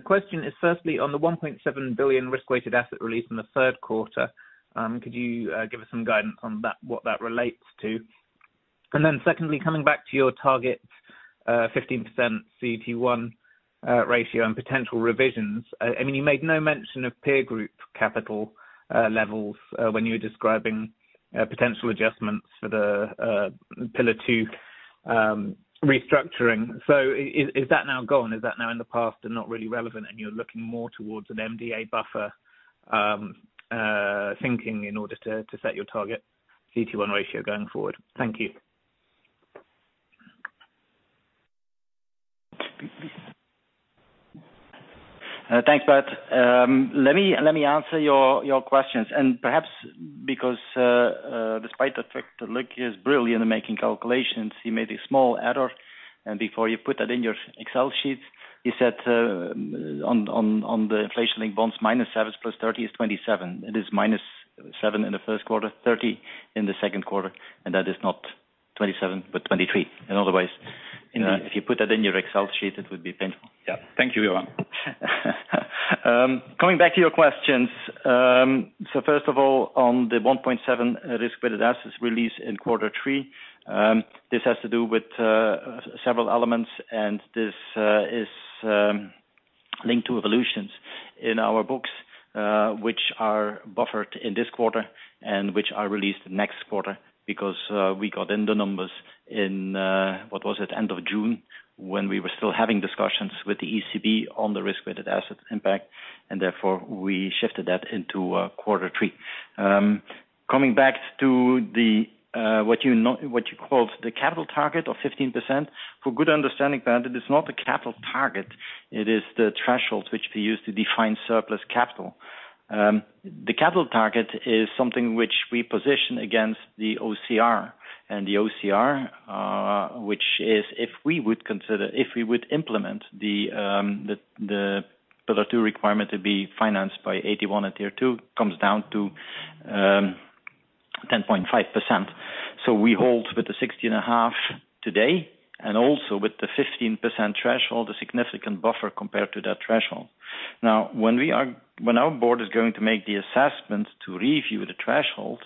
Question is firstly, on the 1.7 billion risk-weighted asset release in the third quarter, could you give us some guidance on that, what that relates to? Then secondly, coming back to your target, 15% CET1 ratio and potential revisions, I mean, you made no mention of peer group capital levels when you were describing potential adjustments for the Pillar Two restructuring. Is that now gone? Is that now in the past and not really relevant, and you're looking more towards an MDA buffer thinking in order to set your target CET1 ratio going forward? Thank you. Thanks, Matt. Let me, let me answer your, your questions, perhaps because, despite the fact that Luc is brilliant in making calculations, he made a small error. Before you put that in your Excel sheet, he said, on, on, on the inflation link bonds, -7 plus 30 is 27. It is -7 in the 1st quarter, 30 in the 2nd quarter, that is not 27, but 23. Otherwise, if you put that in your Excel sheet, it would be painful. Coming back to your questions, first of all, on the 1.7 risk-weighted assets release in quarter three, this has to do with several elements, this is linked to evolutions in our books, which are buffered in this quarter, which are released next quarter. We got in the numbers in, what was it? End of June, when we were still having discussions with the ECB on the risk-weighted asset impact, therefore, we shifted that into quarter three. Coming back to the, what you called the capital target of 15%, for good understanding that it is not the capital target, it is the threshold which we use to define surplus capital. The capital target is something which we position against the OCR. The OCR, which is, if we would consider, if we would implement the, the Pillar Two requirement to be financed by 81 and Tier 2, comes down to 10.5%. We hold with the 60.5% today, and also with the 15% threshold, a significant buffer compared to that threshold. When we are, when our board is going to make the assessment to review the threshold,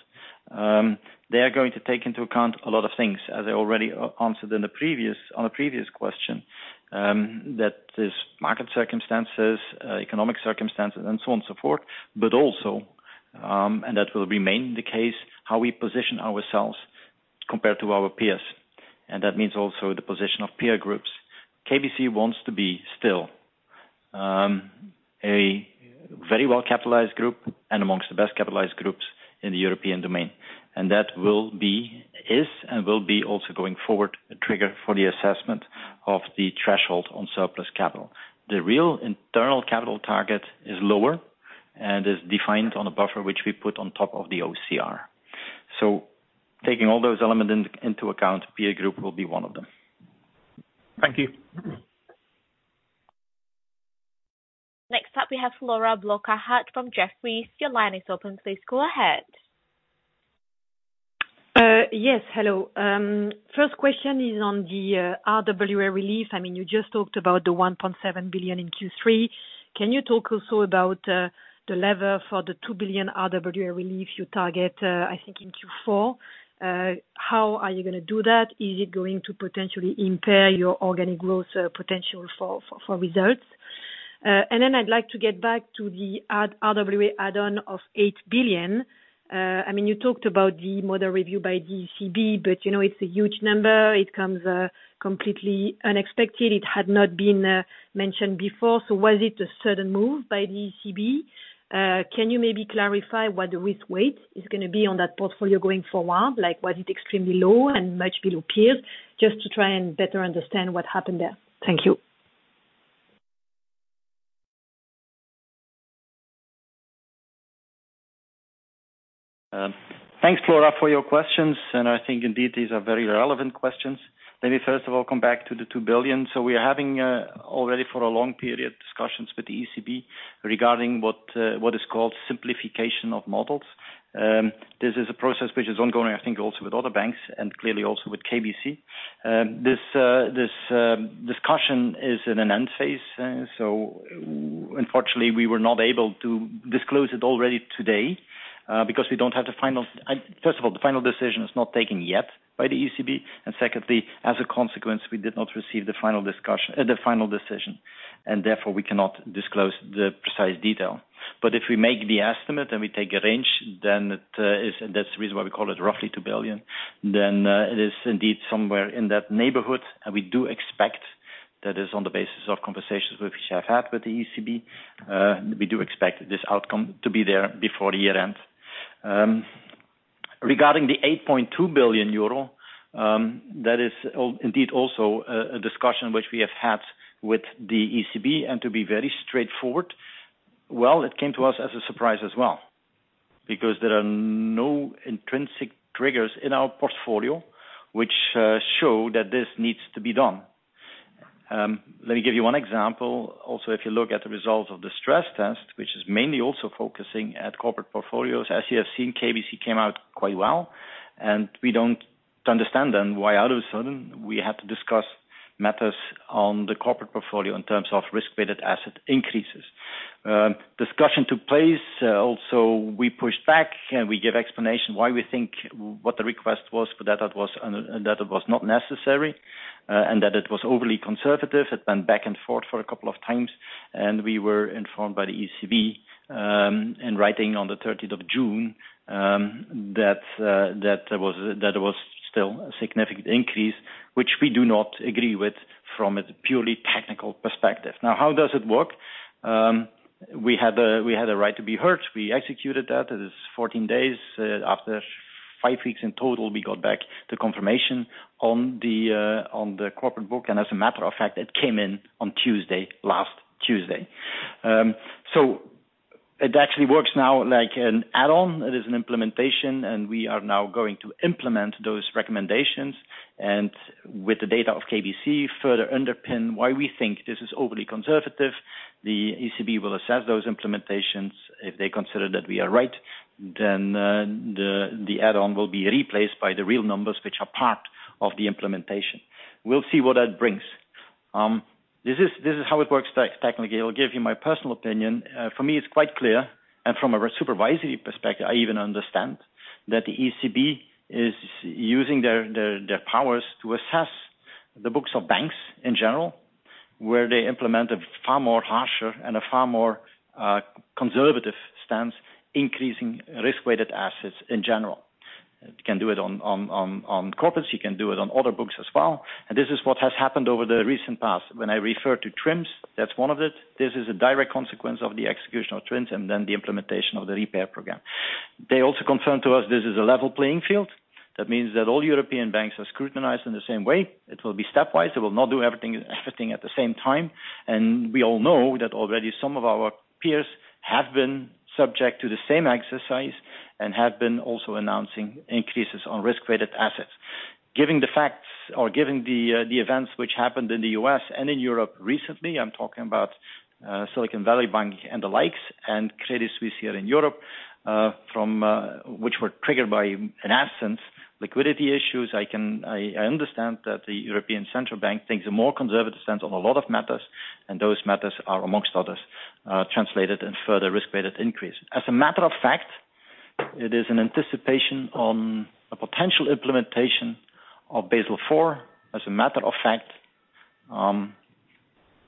they are going to take into account a lot of things, as I already answered in the previous, on a previous question. That there's market circumstances, economic circumstances, and so on and so forth, but also, and that will remain the case, how we position ourselves compared to our peers, and that means also the position of peer groups. KBC wants to be still, a very well-capitalized group, and amongst the best capitalized groups in the European domain. That will be, is, and will be also going forward, a trigger for the assessment of the threshold on surplus capital. The real internal capital target is lower and is defined on a buffer, which we put on top of the OCR. Taking all those elements into account, peer group will be one of them. Thank you. Next up, we have Flora Bocahut from Jefferies. Your line is open. Please go ahead. Yes, hello. First question is on the RWA relief. I mean, you just talked about the 1.7 billion in Q3. Can you talk also about the level for the 2 billion RWA relief you target, I think in Q4? How are you gonna do that? Is it going to potentially impair your organic growth potential for results? I'd like to get back to the RWA add-on of 8 billion. I mean, you talked about the model review by ECB, but, you know, it's a huge number. It comes completely unexpected. It had not been mentioned before. Was it a sudden move by ECB? Can you maybe clarify what the risk weight is gonna be on that portfolio going forward? Like, was it extremely low and much below peers? Just to try and better understand what happened there. Thank you. Thanks, Flora, for your questions, I think indeed, these are very relevant questions. Let me, first of all, come back to the 2 billion. We are having already for a long period, discussions with the ECB regarding what is called simplification of models. This is a process which is ongoing, I think, also with other banks, Clearly also with KBC. This discussion is in an end phase, Unfortunately, we were not able to disclose it already today because we don't have the final. First of all, the final decision is not taken yet by the ECB, Secondly, as a consequence, we did not receive the final discussion, the final decision, Therefore we cannot disclose the precise detail. If we make the estimate and we take a range, then it is-- and that's the reason why we call it roughly 2 billion, then it is indeed somewhere in that neighborhood, and we do expect that is on the basis of conversations which I've had with the ECB. We do expect this outcome to be there before the year end. Regarding the 8.2 billion euro, that is indeed also a discussion which we have had with the ECB, and to be very straightforward, well, it came to us as a surprise as well, because there are no intrinsic triggers in our portfolio which show that this needs to be done. Let me give you one example, also, if you look at the results of the stress test, which is mainly also focusing at corporate portfolios, as you have seen, KBC came out quite well, and we don't understand then why all of a sudden we had to discuss matters on the corporate portfolio in terms of risk-weighted asset increases. Discussion took place, also we pushed back, and we gave explanation why we think what the request was for that it was, and that it was not necessary, and that it was overly conservative. It's been back and forth for a couple of times, and we were informed by the ECB, in writing on the 13th of June, that there was, that there was still a significant increase, which we do not agree with from a purely technical perspective. Now, how does it work? We had, we had a right to be heard. We executed that. It is 14 days after 5 weeks in total, we got back the confirmation on the corporate book, and as a matter of fact, it came in on Tuesday, last Tuesday. It actually works now like an add-on. It is an implementation, and we are now going to implement those recommendations, and with the data of KBC, further underpin why we think this is overly conservative. The ECB will assess those implementations. If they consider that we are right, then, the, the add-on will be replaced by the real numbers, which are part of the implementation. We'll see what that brings. This is, this is how it works technically. I'll give you my personal opinion. For me, it's quite clear, and from a supervisory perspective, I even understand, that the ECB is using their, their, their powers to assess the books of banks in general, where they implement a far more harsher and a far more conservative stance, increasing risk-weighted assets in general. You can do it on, on, on, on corporates, you can do it on other books as well, and this is what has happened over the recent past. When I refer to TRIMs, that's one of it. This is a direct consequence of the execution of TRIMs and then the implementation of the repair program. They also confirmed to us this is a level playing field. That means that all European banks are scrutinized in the same way. It will be stepwise. It will not do everything, everything at the same time, and we all know that already some of our peers have been subject to the same exercise and have been also announcing increases on risk-weighted assets. Giving the facts or giving the events which happened in the U.S. and in Europe recently, I'm talking about Silicon Valley Bank and the likes, and Credit Suisse here in Europe, from which were triggered by, in essence, liquidity issues. I can, I, I understand that the European Central Bank takes a more conservative stance on a lot of matters, and those matters are, amongst others, translated in further risk-weighted increase. As a matter of fact, it is an anticipation on a potential implementation of Basel IV. As a matter of fact,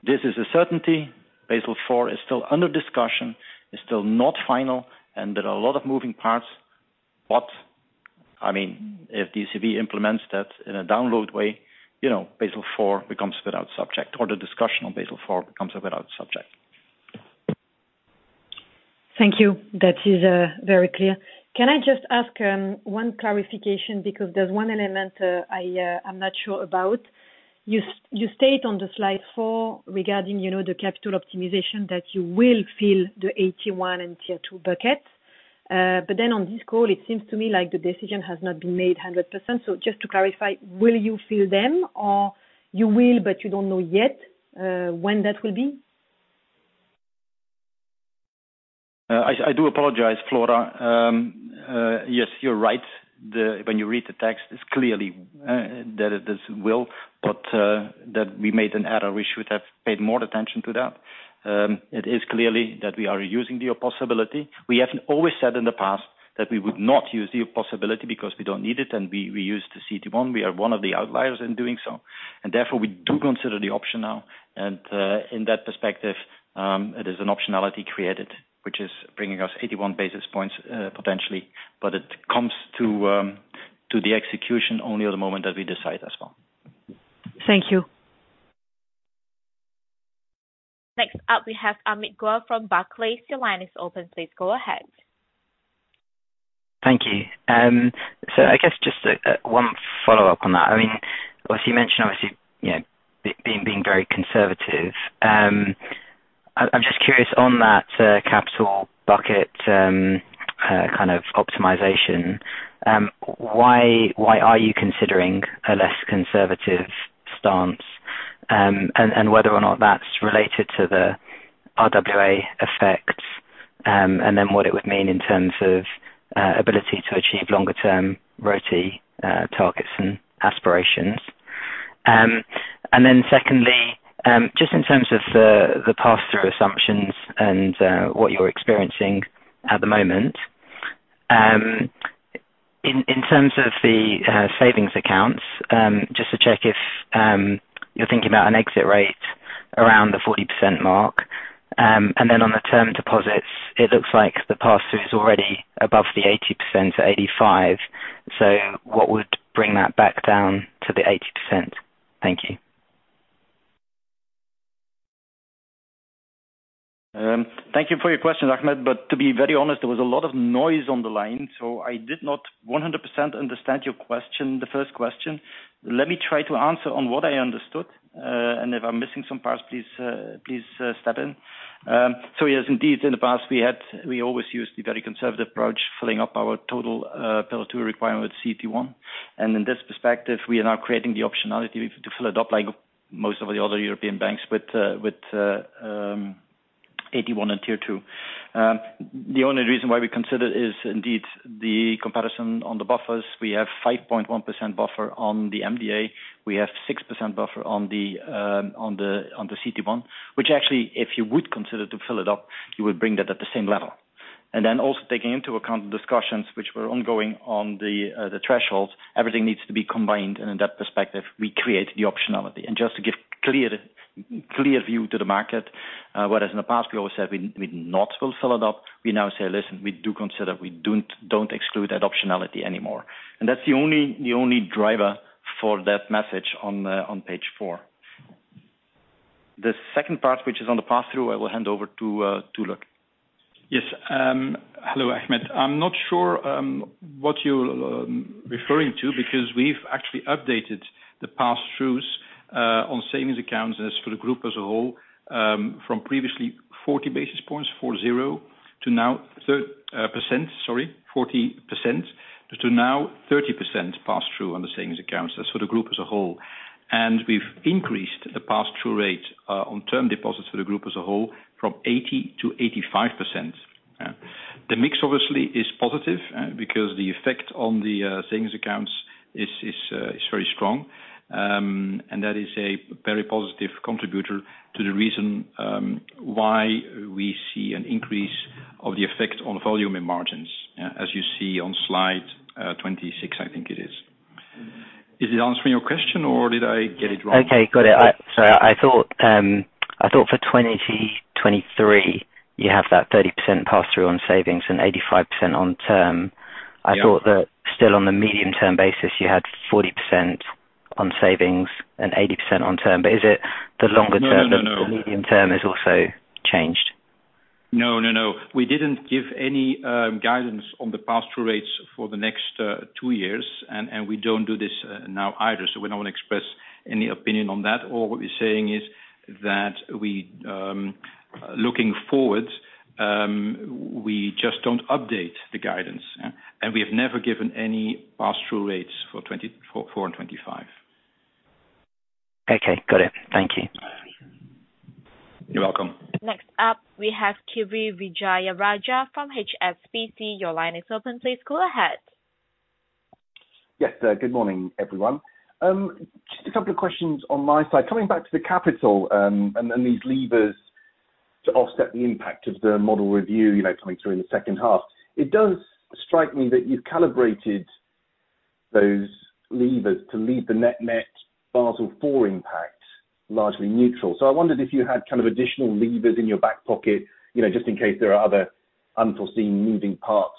this is a certainty. Basel IV is still under discussion, it's still not final, and there are a lot of moving parts. I mean, if ECB implements that in a download way, you know, Basel IV becomes without subject, or the discussion on Basel IV becomes without subject. Thank you. That is very clear. Can I just ask one clarification? There's one element I'm not sure about. You state on the slide 4 regarding, you know, the capital optimization that you will fill the Tier 1 and Tier 2 buckets. Then on this call, it seems to me like the decision has not been made 100%. Just to clarify, will you fill them or you will, but you don't know yet when that will be? I, I do apologize, Flora. Yes, you're right. The, when you read the text, it's clearly that it is will, but that we made an error. We should have paid more attention to that. It is clearly that we are using the possibility. We have always said in the past that we would not use the possibility because we don't need it, and we, we use the CT1. We are one of the outliers in doing so, and therefore we do consider the option now. In that perspective, it is an optionality created, which is bringing us 81 basis points potentially, but it comes to the execution only at the moment that we decide as well. Thank you. Next up, we have Amit Goel from Barclays. Your line is open. Please go ahead. Thank you. I guess just one follow-up on that. I mean, as you mentioned, obviously, you know, being, being very conservative, I, I'm just curious on that capital bucket kind of optimization, why, why are you considering a less conservative stance? Whether or not that's related to the RWA effect, then what it would mean in terms of ability to achieve longer term ROTE targets and aspirations. Secondly, just in terms of the pass-through assumptions and what you're experiencing at the moment, in terms of the savings accounts, just to check if you're thinking about an exit rate around the 40% mark, and then on the term deposits, it looks like the pass-through is already above the 80%-85%. What would bring that back down to the 80%? Thank you. Thank you for your question, Ahmed. To be very honest, there was a lot of noise on the line, so I did not 100% understand your question, the first question. Let me try to answer on what I understood. If I'm missing some parts, please, please, step in. Yes, indeed, in the past we always used the very conservative approach, filling up our total Pillar Two requirement with CET1. In this perspective, we are now creating the optionality to fill it up, like most of the other European banks with AT1 and Tier 2. The only reason why we consider it is indeed the comparison on the buffers. We have 5.1% buffer on the MDA. We have 6% buffer on the, on the, on the CET1, which actually, if you would consider to fill it up, you would bring that at the same level. Then also taking into account the discussions which were ongoing on the, the thresholds, everything needs to be combined, and in that perspective, we create the optionality. Just to give clear, clear view to the market, whereas in the past we always said, "We, we not will fill it up," we now say, "Listen, we do consider, we don't, don't exclude that optionality anymore." That's the only, the only driver for that message on the, on page 4. The second part, which is on the pass-through, I will hand over to Luc. Yes. Hello, Amit. I'm not sure what you're referring to, because we've actually updated the pass-throughs on savings accounts, and as for the group as a whole, from previously 40 basis points, 40, to now, sorry, 40%, to now 30% pass-through on the savings accounts. That's for the group as a whole. We've increased the pass-through rate on term deposits for the group as a whole, from 80%-85%. The mix obviously is positive because the effect on the savings accounts is, is very strong. And that is a very positive contributor to the reason why we see an increase of the effect on volume and margins, as you see on slide 26, I think it is. Is it answering your question or did I get it wrong? Okay, got it. I thought for 2023, you have that 30% pass-through on savings and 85% on term. Yeah. I thought that still on the medium-term basis, you had 40% on savings and 80% on term, but is it the longer term? No, no, no. The medium term is also changed? No, no, no. We didn't give any guidance on the pass-through rates for the next 2 years, and we don't do this now either, so we don't want to express any opinion on that. All what we're saying is that we looking forward, we just don't update the guidance, and we have never given any pass-through rates for 2024 and 2025. Okay, got it. Thank you. You're welcome. Next up, we have Kiri Vijayarajah from HSBC. Your line is open, please go ahead. Yes, good morning, everyone. Just a couple of questions on my side. Coming back to the capital, and, and these levers to offset the impact of the model review, you know, coming through in the second half, it does strike me that you've calibrated those levers to leave the net, net Basel IV impact largely neutral. I wondered if you had kind of additional levers in your back pocket, you know, just in case there are other unforeseen moving parts,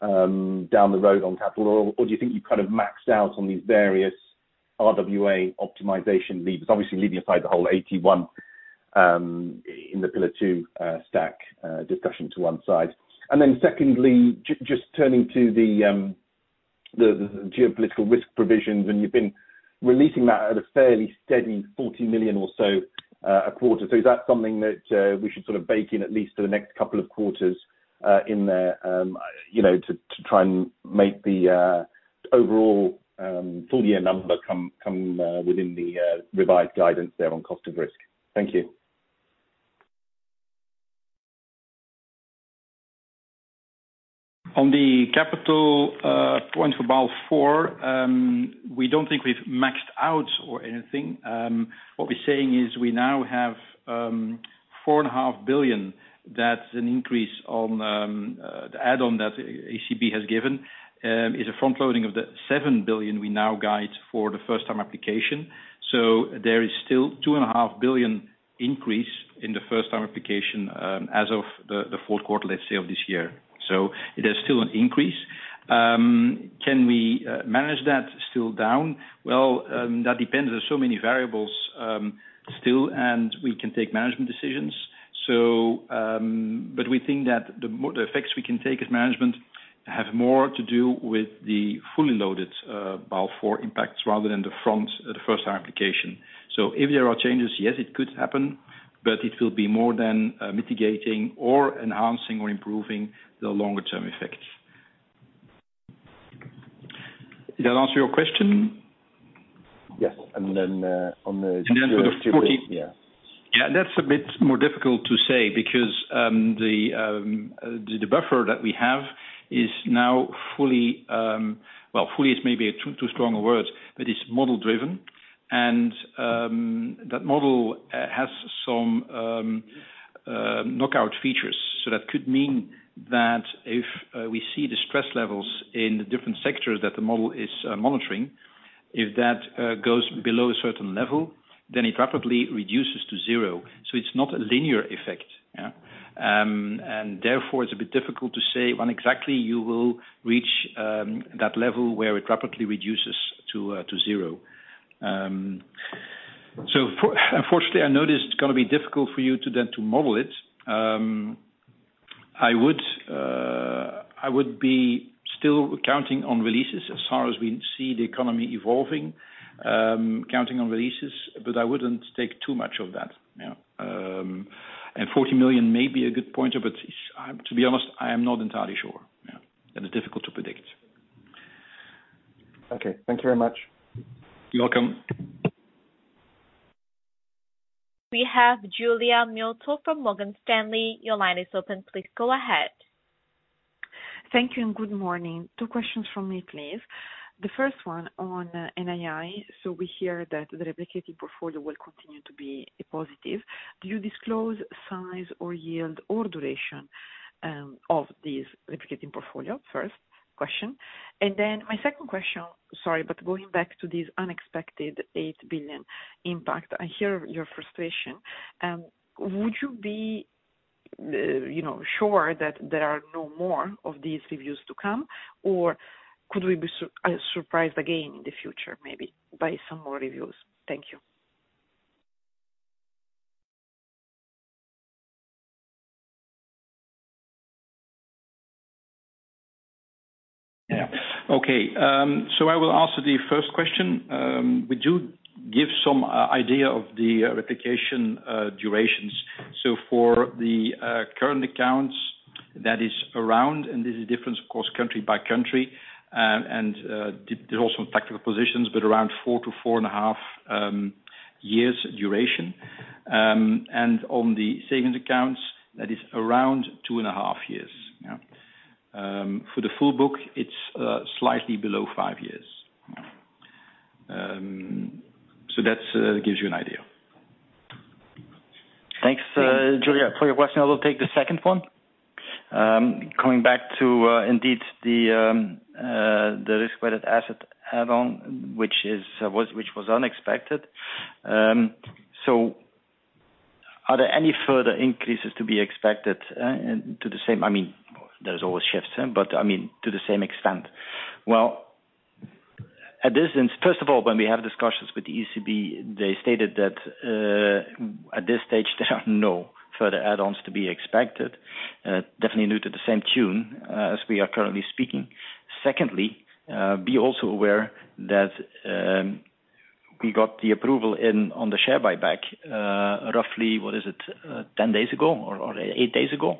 down the road on capital, or do you think you've kind of maxed out on these various RWA optimization levers? Obviously, leaving aside the whole AT1, in the Pillar 2, stack, discussion to one side. Secondly, just turning to the geopolitical risk provisions, and you've been releasing that at a fairly steady 40 million or so a quarter. Is that something that we should sort of bake in at least for the next couple of quarters in there, you know, to try and make the overall full year number come, come within the revised guidance there on cost of risk? Thank you. On the capital point for Basel IV, we don't think we've maxed out or anything. What we're saying is we now have 4.5 billion. That's an increase on the add-on that ECB has given, is a front-loading of the 7 billion we now guide for the first time application. There is still 2.5 billion increase in the first time application as of the fourth quarter, let's say, of this year. It is still an increase. Can we manage that still down? Well, that depends. There's so many variables still, and we can take management decisions. We think that the effects we can take as management have more to do with the fully loaded Basel IV impacts rather than the front, the first time application. If there are changes, yes, it could happen, but it will be more than mitigating or enhancing or improving the longer-term effects. Did that answer your question? Yes, then, on the- Then to 40. Yeah. Yeah, that's a bit more difficult to say because the the buffer that we have is now fully, well, fully is maybe a too, too strong a word, but it's model driven. That model has some knockout features. That could mean that if we see the stress levels in the different sectors that the model is monitoring, if that goes below a certain level, then it rapidly reduces to zero. It's not a linear effect, yeah. Therefore, it's a bit difficult to say when exactly you will reach that level where it rapidly reduces to zero. For unfortunately, I know this is gonna be difficult for you to then to model it. I would, I would be still counting on releases as far as we see the economy evolving, counting on releases, but I wouldn't take too much of that. Yeah. 40 million may be a good point, but to be honest, I am not entirely sure. Yeah, that is difficult to predict. Okay, thank you very much. You're welcome. We have Giulia Miotto from Morgan Stanley. Your line is open, please go ahead. Thank you. Good morning. Two questions from me, please. The first one on NII. We hear that the replicated portfolio will continue to be a positive. Do you disclose size or yield or duration of this replicating portfolio? First question. My second question, sorry, going back to this unexpected 8 billion impact, I hear your frustration. Would you be, you know, sure that there are no more of these reviews to come, or could we be surprised again in the future, maybe by some more reviews? Thank you. Okay. I will answer the first question. Would you give some idea of the replication durations? For the current accounts, that is around, and there's a difference, of course, country by country, and there are also tactical positions, but around 4 to 4.5 years duration. On the savings accounts, that is around 2.5 years. For the full book, it's slightly below 5 years. That's gives you an idea. Thanks, Giulia, for your question. I will take the second one. Coming back to, indeed, the, the risk-weighted asset add-on, which is, was, which was unexpected. Are there any further increases to be expected, and to the same, I mean, there's always shifts, but I mean, to the same extent? At this instance, first of all, when we have discussions with the ECB, they stated that, at this stage, there are no further add-ons to be expected, definitely due to the same tune as we are currently speaking. Secondly, be also aware that, we got the approval in, on the share buyback, roughly, what is it, 10 days ago or 8 days ago.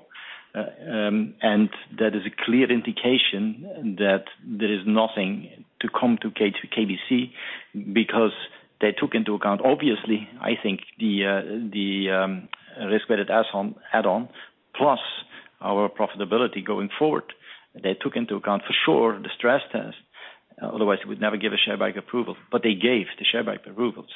That is a clear indication that there is nothing to come to K, to KBC, because they took into account, obviously, I think the risk-weighted assets, add-on, plus our profitability going forward. They took into account, for sure, the stress test, otherwise, we'd never give a share buyback approval, but they gave the share buyback approval.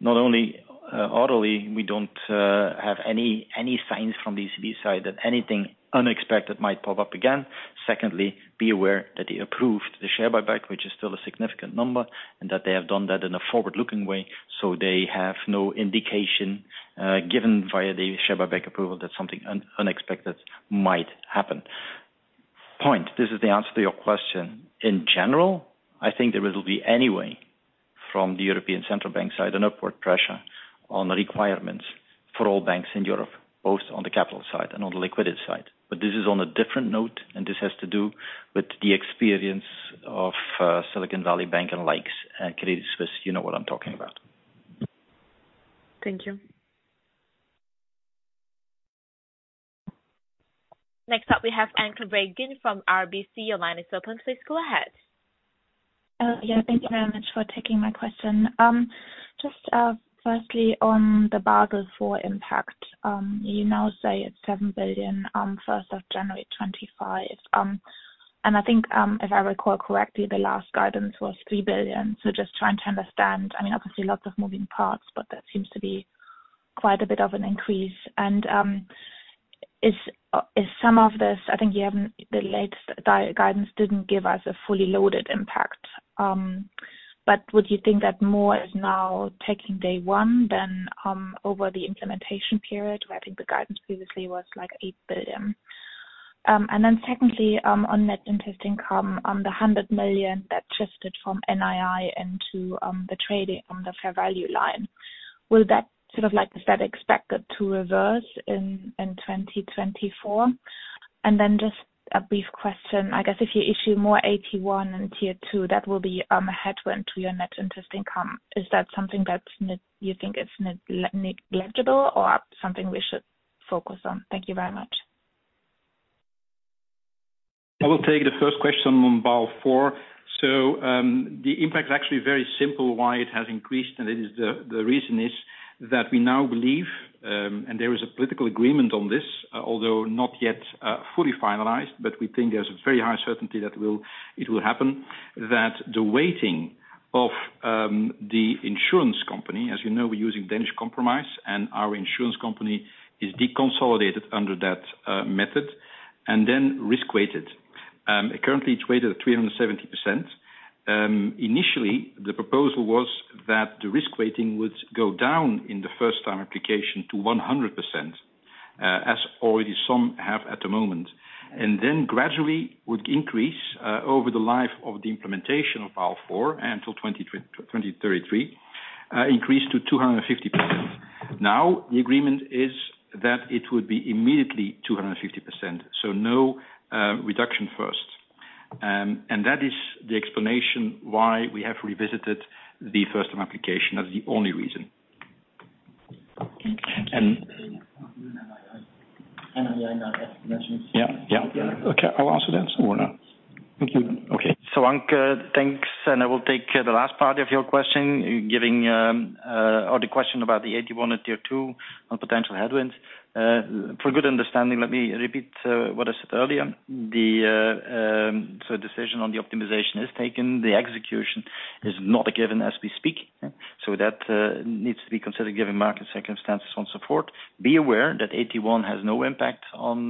Not only, orderly, we don't have any signs from the ECB side that anything unexpected might pop up again. Secondly, be aware that they approved the share buyback, which is still a significant number, and that they have done that in a forward-looking way, so they have no indication given via the share buyback approval, that something unexpected might happen. Point. This is the answer to your question. In general, I think there will be anyway, from the European Central Bank side, an upward pressure on the requirements for all banks in Europe, both on the capital side and on the liquidity side. This is on a different note, and this has to do with the experience of Silicon Valley Bank and likes, and Credit Suisse, you know what I'm talking about. Thank you. Next up, we have Anke Reingen from RBC. Your line is open. Please go ahead. Yeah, thank you very much for taking my question. Just, firstly, on the Basel IV impact, you now say it's 7 billion, January 1, 2025. And I think, if I recall correctly, the last guidance was 3 billion. Just trying to understand, I mean, obviously, lots of moving parts, but that seems to be quite a bit of an increase. Is, is some of this, I think you have the latest guidance didn't give us a fully loaded impact. Would you think that more is now taking day one than over the implementation period, where I think the guidance previously was like 8 billion? Secondly, on net interest income on the 100 million that shifted from NII into the trading on the fair value line, will that sort of like, is that expected to reverse in 2024? Just a brief question, I guess if you issue more AT1 and Tier 2, that will be a headwind to your net interest income. Is that something that's you think is negligible or something we should focus on? Thank you very much. I will take the first question on Basel IV. The impact is actually very simple, why it has increased, and it is the reason is that we now believe, there is a political agreement on this, although not yet fully finalized, but we think there's a very high certainty that it will happen. That the weighting of the insurance company, as you know, we're using Danish Compromise, and our insurance company is deconsolidated under that method, and then risk weighted. It currently it's weighted at 370%. Initially, the proposal was that the risk weighting would go down in the first time application to 100%, as already some have at the moment. Then gradually would increase over the life of the implementation of Basel IV until 2033, increase to 250%. Now, the agreement is that it would be immediately 250%, so no reduction first. That is the explanation why we have revisited the first application. That's the only reason. Thank you. Yeah, yeah. Okay, I'll answer then, or not. Thank you. Okay. Anke, thanks, and I will take the last part of your question, giving or the question about the AT1 and Tier 2 on potential headwinds. For good understanding, let me repeat what I said earlier. Decision on the optimization is taken, the execution is not a given as we speak. That needs to be considered given market circumstances on support. Be aware that AT1 has no impact on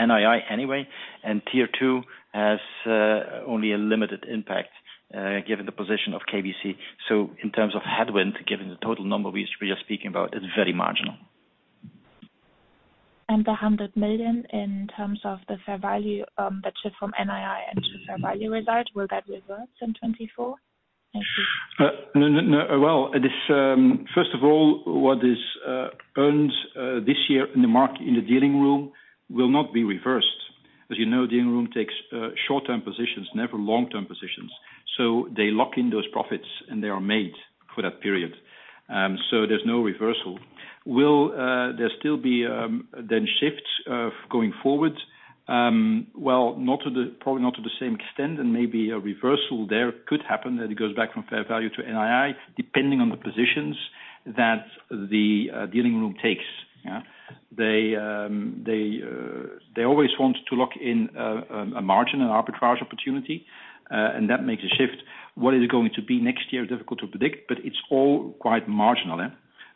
NII anyway, and Tier 2 has only a limited impact given the position of KBC. In terms of headwind, given the total number we are speaking about, is very marginal. The 100 million in terms of the fair value, that shift from NII into fair value result, will that reverse in 2024? Thank you. No, no, no. Well, this, first of all, what is earned this year in the market, in the dealing room, will not be reversed. As you know, dealing room takes short-term positions, never long-term positions. They lock in those profits, and they are made for that period. There's no reversal. Will there still be then shifts of going forward? Well, not to the, probably not to the same extent, and maybe a reversal there could happen, that it goes back from fair value to NII, depending on the positions that the dealing room takes. Yeah. They, they, they always want to lock in a margin and arbitrage opportunity, and that makes a shift. What is it going to be next year? Difficult to predict, but it's all quite marginal, eh.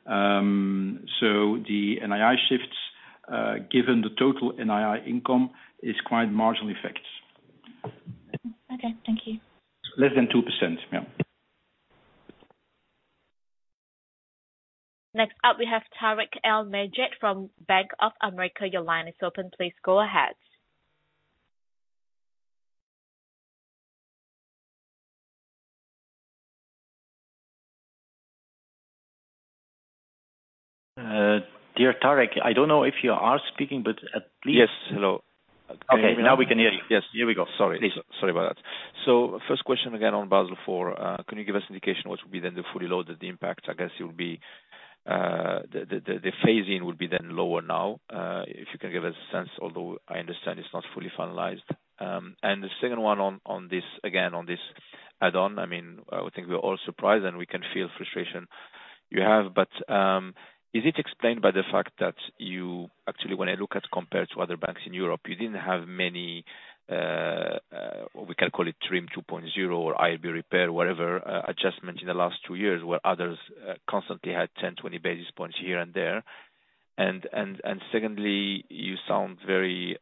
The NII shifts, given the total NII income, is quite marginal effects. Okay, thank you. Less than 2%, yeah. Next up, we have Tarik El Mejjad from Bank of America. Your line is open, please go ahead. Dear Tarik, I don't know if you are speaking, but, please- Yes. Hello. Okay, now we can hear you. Yes, here we go. Sorry. Please. Sorry about that. First question, again, on Basel IV. Can you give us indication what would be then the fully loaded impact? I guess it will be the phasing will be then lower now. If you can give us a sense, although I understand it's not fully finalized. The second one on, on this, again, on this add-on, I mean, I would think we're all surprised, and we can feel frustration you have, but is it explained by the fact that you actually, when I look at compared to other banks in Europe, you didn't have many, we can call it Trim 2.0, or IB repair, whatever, adjustment in the last 2 years, where others constantly had 10, 20 basis points here and there. Secondly, you sound very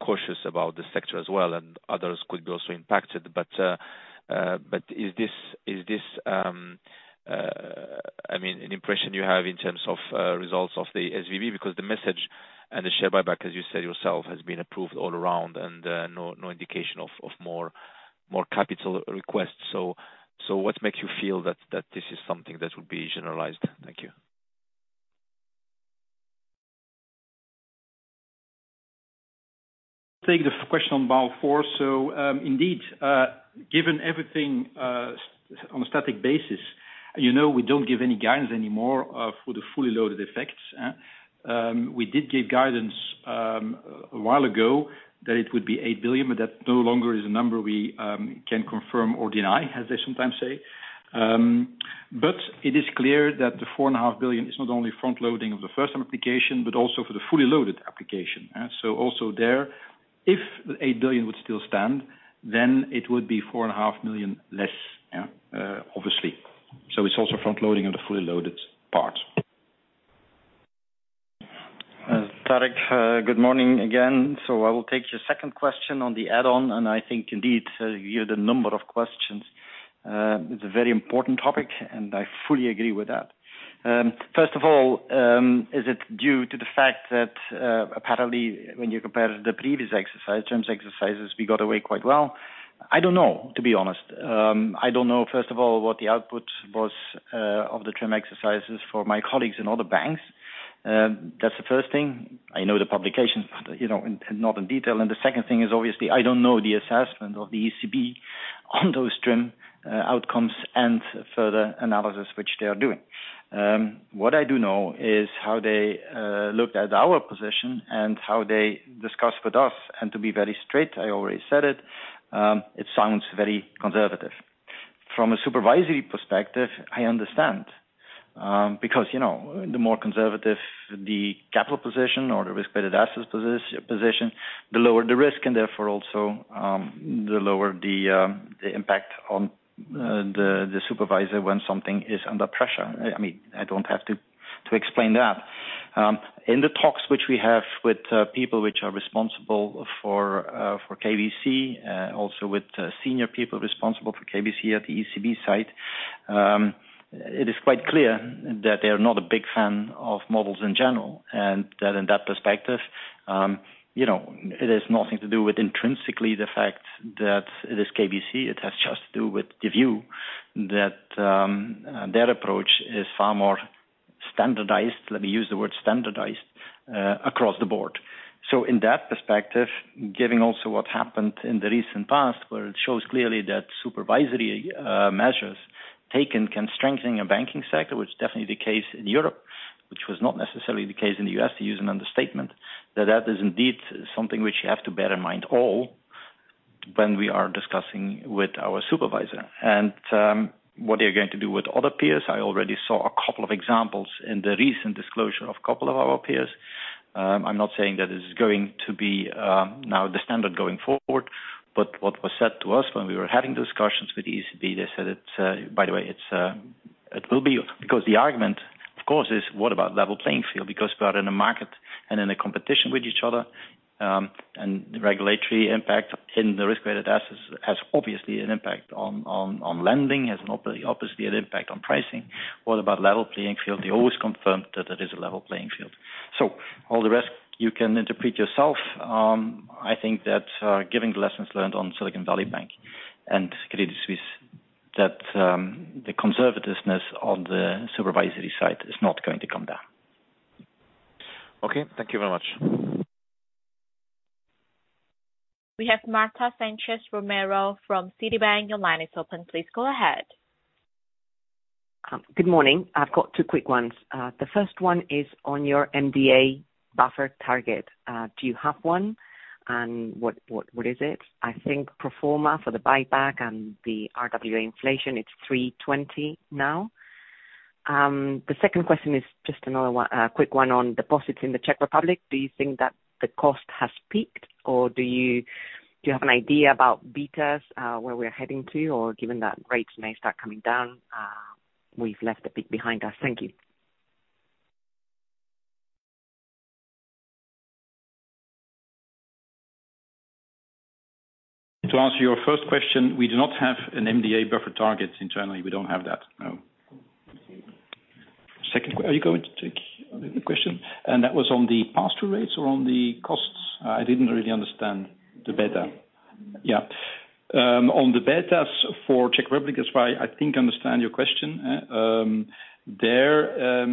cautious about the sector as well, and others could be also impacted. Is this, is this, I mean, an impression you have in terms of results of the SVB? Because the message and the share buyback, as you said yourself, has been approved all around, and no indication of more, more capital requests. What makes you feel that, that this is something that would be generalized? Thank you. Take the question on Basel IV. Indeed, given everything, on a static basis, you know, we don't give any guidance anymore for the fully loaded effects, eh. We did give guidance a while ago that it would be 8 billion, but that no longer is a number we can confirm or deny, as I sometimes say. It is clear that the 4.5 billion is not only front loading of the first application, but also for the fully loaded application. Also there, if 8 billion would still stand, then it would be 4.5 million less, yeah, obviously. It's also front loading of the fully loaded part. Tarek, good morning again. I will take your second question on the add-on, and I think indeed, you hear the number of questions. It's a very important topic, and I fully agree with that. First of all, is it due to the fact that, apparently, when you compare the previous exercise, terms exercises, we got away quite well? I don't know, to be honest. I don't know, first of all, what the output was, of the term exercises for my colleagues in other banks. That's the first thing. I know the publications, but, you know, in, not in detail. The second thing is, obviously, I don't know the assessment of the ECB.... on those TRIM outcomes and further analysis, which they are doing. What I do know is how they look at our position and how they discuss with us, and to be very straight, I already said it, it sounds very conservative. From a supervisory perspective, I understand, because, you know, the more conservative the capital position or the risk-weighted assets position, the lower the risk, and therefore also, the lower the impact on the supervisor when something is under pressure. I, I mean, I don't have to explain that. In the talks which we have with people which are responsible for KBC, also with senior people responsible for KBC at the ECB site, it is quite clear that they are not a big fan of models in general. That in that perspective, you know, it has nothing to do with intrinsically the fact that it is KBC, it has just to do with the view that their approach is far more standardized, let me use the word standardized, across the board. In that perspective, giving also what happened in the recent past, where it shows clearly that supervisory measures taken can strengthen a banking sector, which is definitely the case in Europe, which was not necessarily the case in the US, to use an understatement. That is indeed something which you have to bear in mind all when we are discussing with our supervisor. What they're going to do with other peers. I already saw a couple of examples in the recent disclosure of a couple of our peers. I'm not saying that this is going to be now the standard going forward. What was said to us when we were having discussions with ECB, they said it's by the way, it's it will be. The argument, of course, is what about level playing field? Because we are in a market and in a competition with each other, and the regulatory impact in the risk-weighted assets has obviously an impact on, on, on lending, has obviously an impact on pricing. What about level playing field? They always confirmed that it is a level playing field. All the rest, you can interpret yourself. I think that giving the lessons learned on Silicon Valley Bank and Credit Suisse, that the conservativeness on the supervisory side is not going to come down. Okay, thank you very much. We have Marta Sánchez Romero from Citibank. Your line is open, please go ahead. Good morning. I've got two quick ones. The first one is on your MDA buffer target. Do you have one? What is it? I think pro forma for the buyback and the RWA inflation, it's 3.20% now. The second question is just another one, quick one on deposits in the Czech Republic. Do you think that the cost has peaked, or do you have an idea about betas, where we're heading to, or given that rates may start coming down, we've left the peak behind us? Thank you. To answer your first question, we do not have an MDA buffer target internally. We don't have that, no. Second, are you going to take the question? That was on the pass-through rates or on the costs? I didn't really understand the beta. Okay. Yeah. On the betas for Czech Republic, that's why I think I understand your question. There,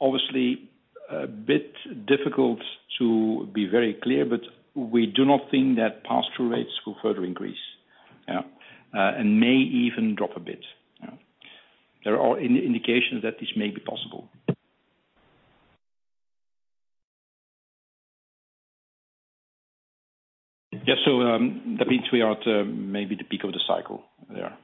obviously a bit difficult to be very clear, but we do not think that pass-through rates will further increase. Yeah. May even drop a bit. Yeah. There are in- indications that this may be possible. Yes. That means we are at, maybe the peak of the cycle there.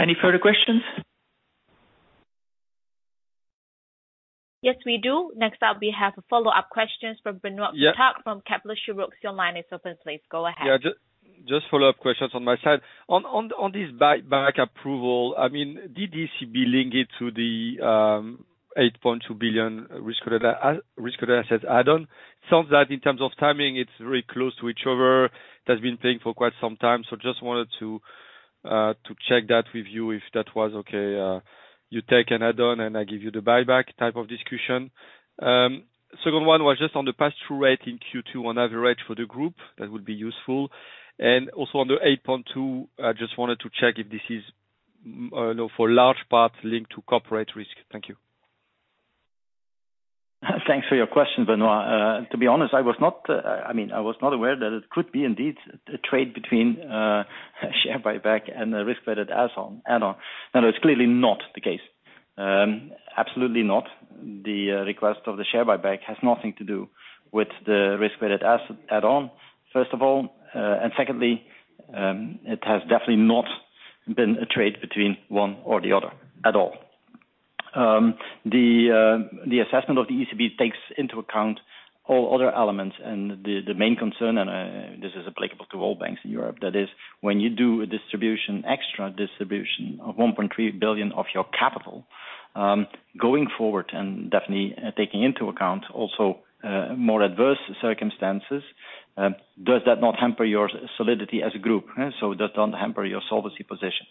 Any further questions? Yes, we do. Next up, we have follow-up questions from Benoît - Yeah... Pétrarque from Kepler Cheuvreux. Your line is open, please go ahead. Yeah, just follow-up questions on my side. On, on, on this buyback approval, I mean, did this be linked link it to the 8.2 billion risk-adjusted, risk-adjusted add-on? Sounds like in terms of timing, it's very close to each other. It has been playing for quite some time, so just wanted to check that with you, if that was okay. you take an add-on, and I give you the buyback type of discussion. second one was just on the pass-through rate in Q2 on average for the group, that would be useful. Also on the 8.2, I just wanted to check if this is for large part linked to corporate risk. Thank you. Thanks for your question, Benoît. To be honest, I was not, I mean, I was not aware that it could be indeed a trade between share buyback and a risk-weighted asset add-on. No, it's clearly not the case. Absolutely not. The request of the share buyback has nothing to do with the risk-weighted asset add-on, first of all. Secondly, it has definitely not been a trade between one or the other, at all. The assessment of the ECB takes into account all other elements and the main concern, and this is applicable to all banks in Europe, that is when you do a distribution, extra distribution of 1.3 billion of your capital, going forward and definitely taking into account also more adverse circumstances, does that not hamper your solidity as a group? Does that not hamper your solvency position?...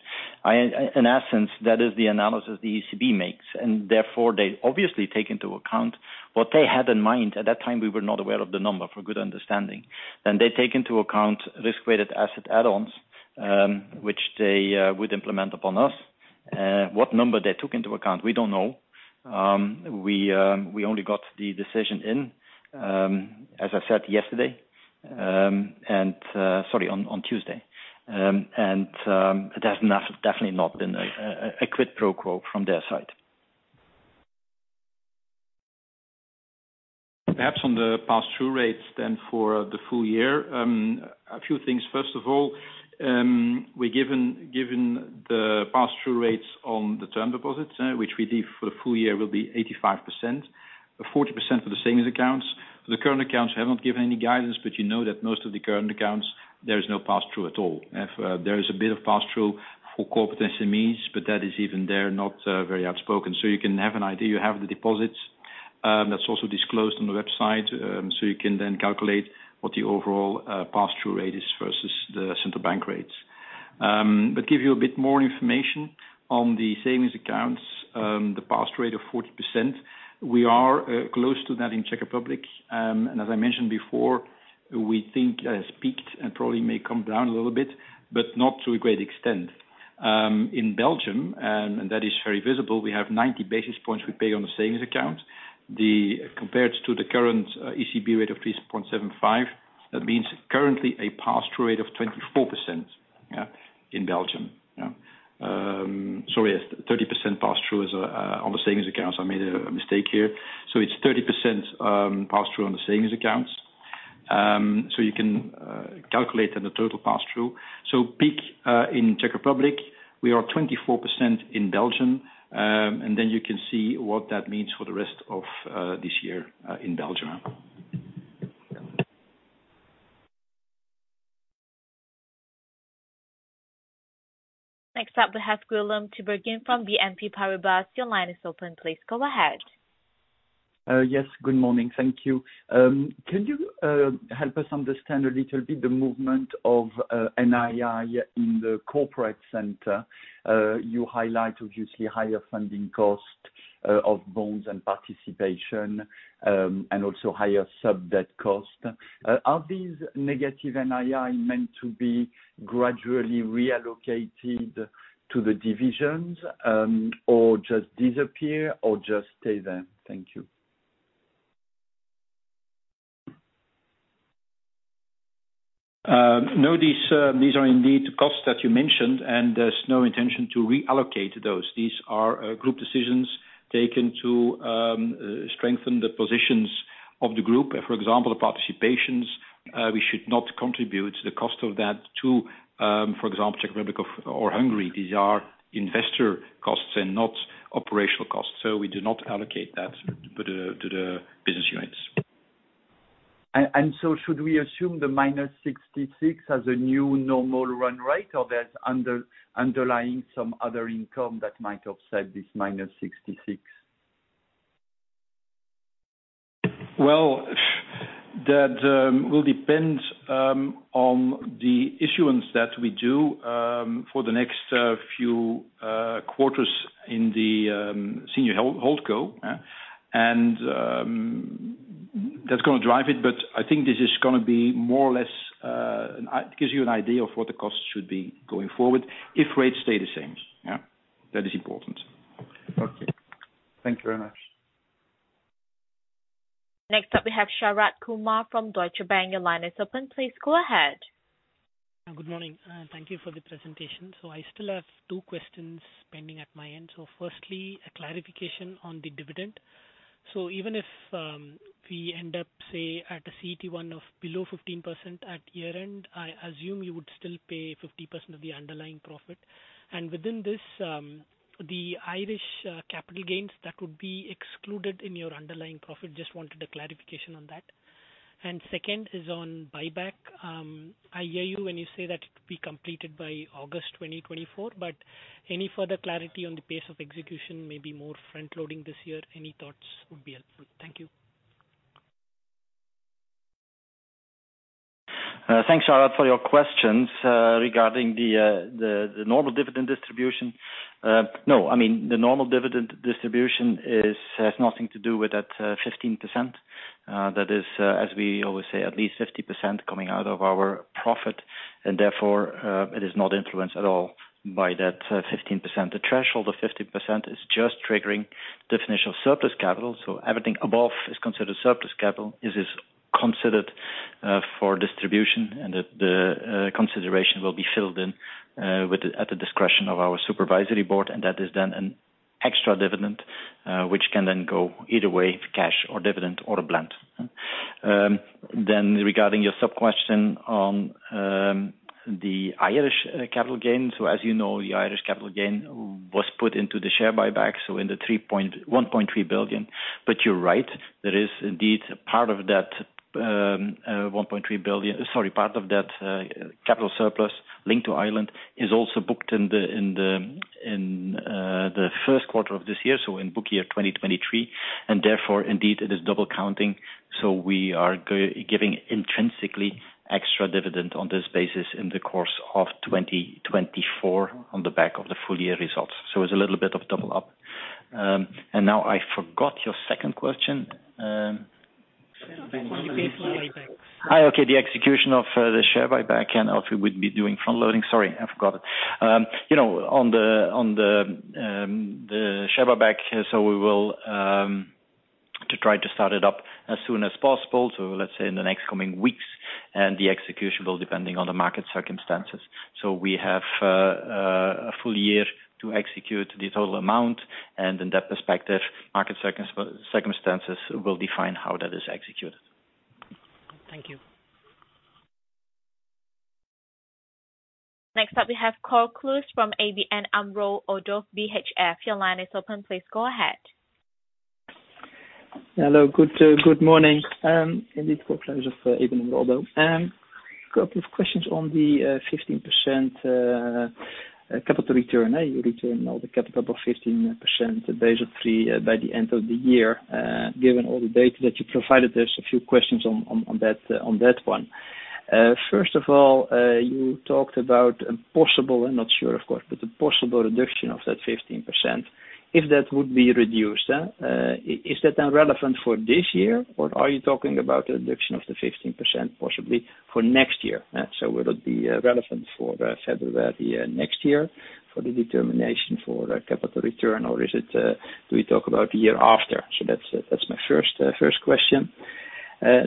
In essence, that is the analysis the ECB makes, and therefore they obviously take into account what they had in mind. At that time, we were not aware of the number, for good understanding. They take into account risk-weighted asset add-ons, which they would implement upon us. What number they took into account, we don't know. We only got the decision in, as I said, yesterday, sorry, on Tuesday. It has not definitely not been a quid pro quo from their side. Perhaps on the pass-through rates then for the full year, a few things. First of all, we given, given the pass-through rates on the term deposits, which we believe for the full year will be 85%, 40% for the savings accounts. For the current accounts, we haven't given any guidance, but you know that most of the current accounts, there is no pass-through at all. If, there is a bit of pass-through for corporate SMEs, but that is even there, not, very outspoken. You can have an idea, you have the deposits, that's also disclosed on the website. You can then calculate what the overall, pass-through rate is versus the central bank rates. Give you a bit more information on the savings accounts, the pass rate of 40%, we are close to that in Czech Republic. As I mentioned before, we think it has peaked and probably may come down a little bit, but not to a great extent. In Belgium, that is very visible, we have 90 basis points we pay on the savings account. Compared to the current ECB rate of 3.75, that means currently a pass-through rate of 24% in Belgium. Sorry, 30% pass-through is on the savings accounts. I made a mistake here. It's 30% pass-through on the savings accounts. You can calculate on the total pass-through. Peak in Czech Republic, we are 24% in Belgium. Then you can see what that means for the rest of this year in Belgium. Next up, we have Guillaume Tiberghien from BNP Paribas. Your line is open. Please go ahead. Yes, good morning. Thank you. Can you help us understand a little bit the movement of NII in the corporate center? You highlight obviously higher funding costs of bonds and participation, and also higher sub-debt cost. Are these negative NII meant to be gradually reallocated to the divisions, or just disappear or just stay there? Thank you. No, these, these are indeed costs that you mentioned, and there's no intention to reallocate those. These are group decisions taken to strengthen the positions of the group. For example, the participations, we should not contribute the cost of that to, for example, Czech Republic or Hungary. These are investor costs and not operational costs. So we do not allocate that to the to the business units. Should we assume the -66 as a new normal run rate, or there's underlying some other income that might offset this -66? Well, that will depend on the issuance that we do for the next few quarters in the senior hold, holdco. That's gonna drive it, but I think this is gonna be more or less, gives you an idea of what the costs should be going forward if rates stay the same. Yeah, that is important. Okay. Thank you very much. Next up, we have Sharath Kumar from Deutsche Bank. Your line is open. Please go ahead. Good morning, and thank you for the presentation. I still have 2 questions pending at my end. Firstly, a clarification on the dividend. Even if we end up, say, at a CET1 of below 15% at year-end, I assume you would still pay 50% of the underlying profit. Within this, the Irish capital gains, that would be excluded in your underlying profit. Just wanted a clarification on that. Second is on buyback. I hear you when you say that it will be completed by August 2024, but any further clarity on the pace of execution, maybe more front loading this year? Any thoughts would be helpful. Thank you. Thanks, Sharath, for your questions regarding the, the, the normal dividend distribution. No, I mean, the normal dividend distribution is, has nothing to do with that 15%. That is, as we always say, at least 50% coming out of our profit, and therefore, it is not influenced at all by that 15%. The threshold of 15% is just triggering definition of surplus capital, so everything above is considered surplus capital. This is considered for distribution, and the, the consideration will be filled in with the, at the discretion of our supervisory board, and that is then an extra dividend, which can then go either way, to cash or dividend or a blend. Regarding your sub-question on the Irish capital gains, as you know, the Irish capital gain was put into the share buyback, in the $1.3 billion. You're right, there is indeed part of that $1.3 billion Sorry, part of that capital surplus linked to Ireland is also booked in the, in the, in-... the first quarter of this year, so in book year 2023, and therefore indeed it is double counting. We are giving intrinsically extra dividend on this basis in the course of 2024 on the back of the full year results. It's a little bit of double up. Now I forgot your second question. Ah, okay, the execution of the share buyback, and else we would be doing front loading. Sorry, I forgot it. You know, on the, on the, the share buyback, so we will try to start it up as soon as possible. Let's say in the next coming weeks, and the execution will depending on the market circumstances. We have a full year to execute the total amount, and in that perspective, market circumstances will define how that is executed. Thank you. Next up, we have Cor Kluis from ABN AMRO or ODDO BHF. Your line is open, please go ahead. Hello, good, good morning, indeed Cor Kluis of ABN AMRO. A couple of questions on the 15% capital return. You return all the capital above 15%, basic three by the end of the year. Given all the data that you provided there's a few questions on, on, on that, on that one. First of all, you talked about a possible, I'm not sure, of course, but a possible reduction of that 15%, if that would be reduced, is that then relevant for this year, or are you talking about the reduction of the 15% possibly for next year? Will it be relevant for the February next year for the determination for the capital return, or is it, we talk about the year after? That's, that's my first, first question.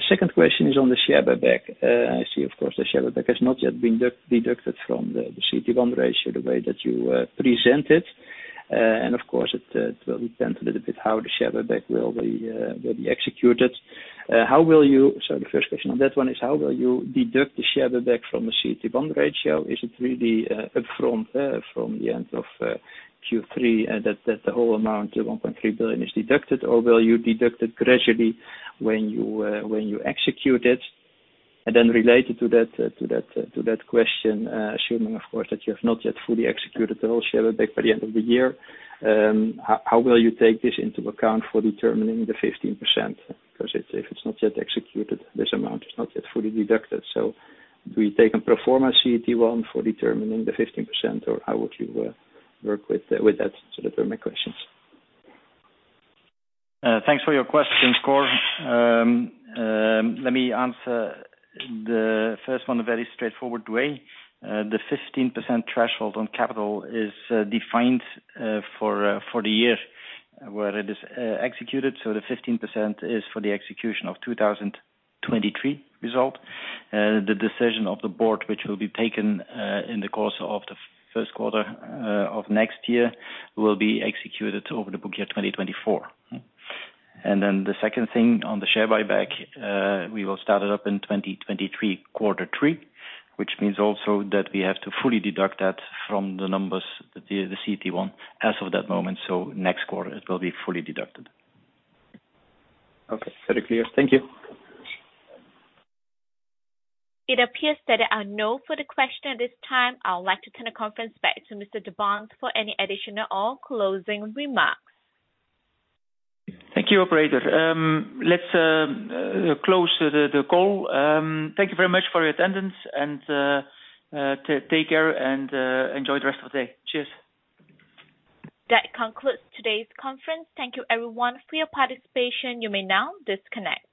Second question is on the share buyback. I see of course, the share buyback has not yet been deducted from the CET1 ratio, the way that you presented. Of course, it will depend a little bit how the share buyback will be executed. How will you... Sorry, the first question on that one is how will you deduct the share buyback from the CET1 bond ratio? Is it really up from from the end of Q3, that, that the whole amount, the 1.3 billion, is deducted, or will you deduct it gradually when you when you execute it? Then related to that, to that, to that question, assuming, of course, that you have not yet fully executed the whole share buyback by the end of the year, how, how will you take this into account for determining the 15%? Because if it's, if it's not yet executed, this amount is not yet fully deducted. Do we take a pro forma CET1 for determining the 15%, or how would you work with, with that? Those are my questions. Thanks for your question, Cor. Let me answer the first one a very straightforward way. The 15% threshold on capital is defined for the year where it is executed. The 15% is for the execution of 2023 result. The decision of the board, which will be taken in the course of the first quarter of next year, will be executed over the book year 2024. The second thing on the share buyback, we will start it up in 2023, quarter three, which means also that we have to fully deduct that from the numbers, the CET1 as of that moment, next quarter it will be fully deducted. Okay, very clear. Thank you. It appears that there are no further question at this time. I would like to turn the conference back to Mr. De Baenst for any additional or closing remarks. Thank you, operator. Let's close the call. Thank you very much for your attendance, and take care and enjoy the rest of the day. Cheers. That concludes today's conference. Thank you everyone for your participation. You may now disconnect.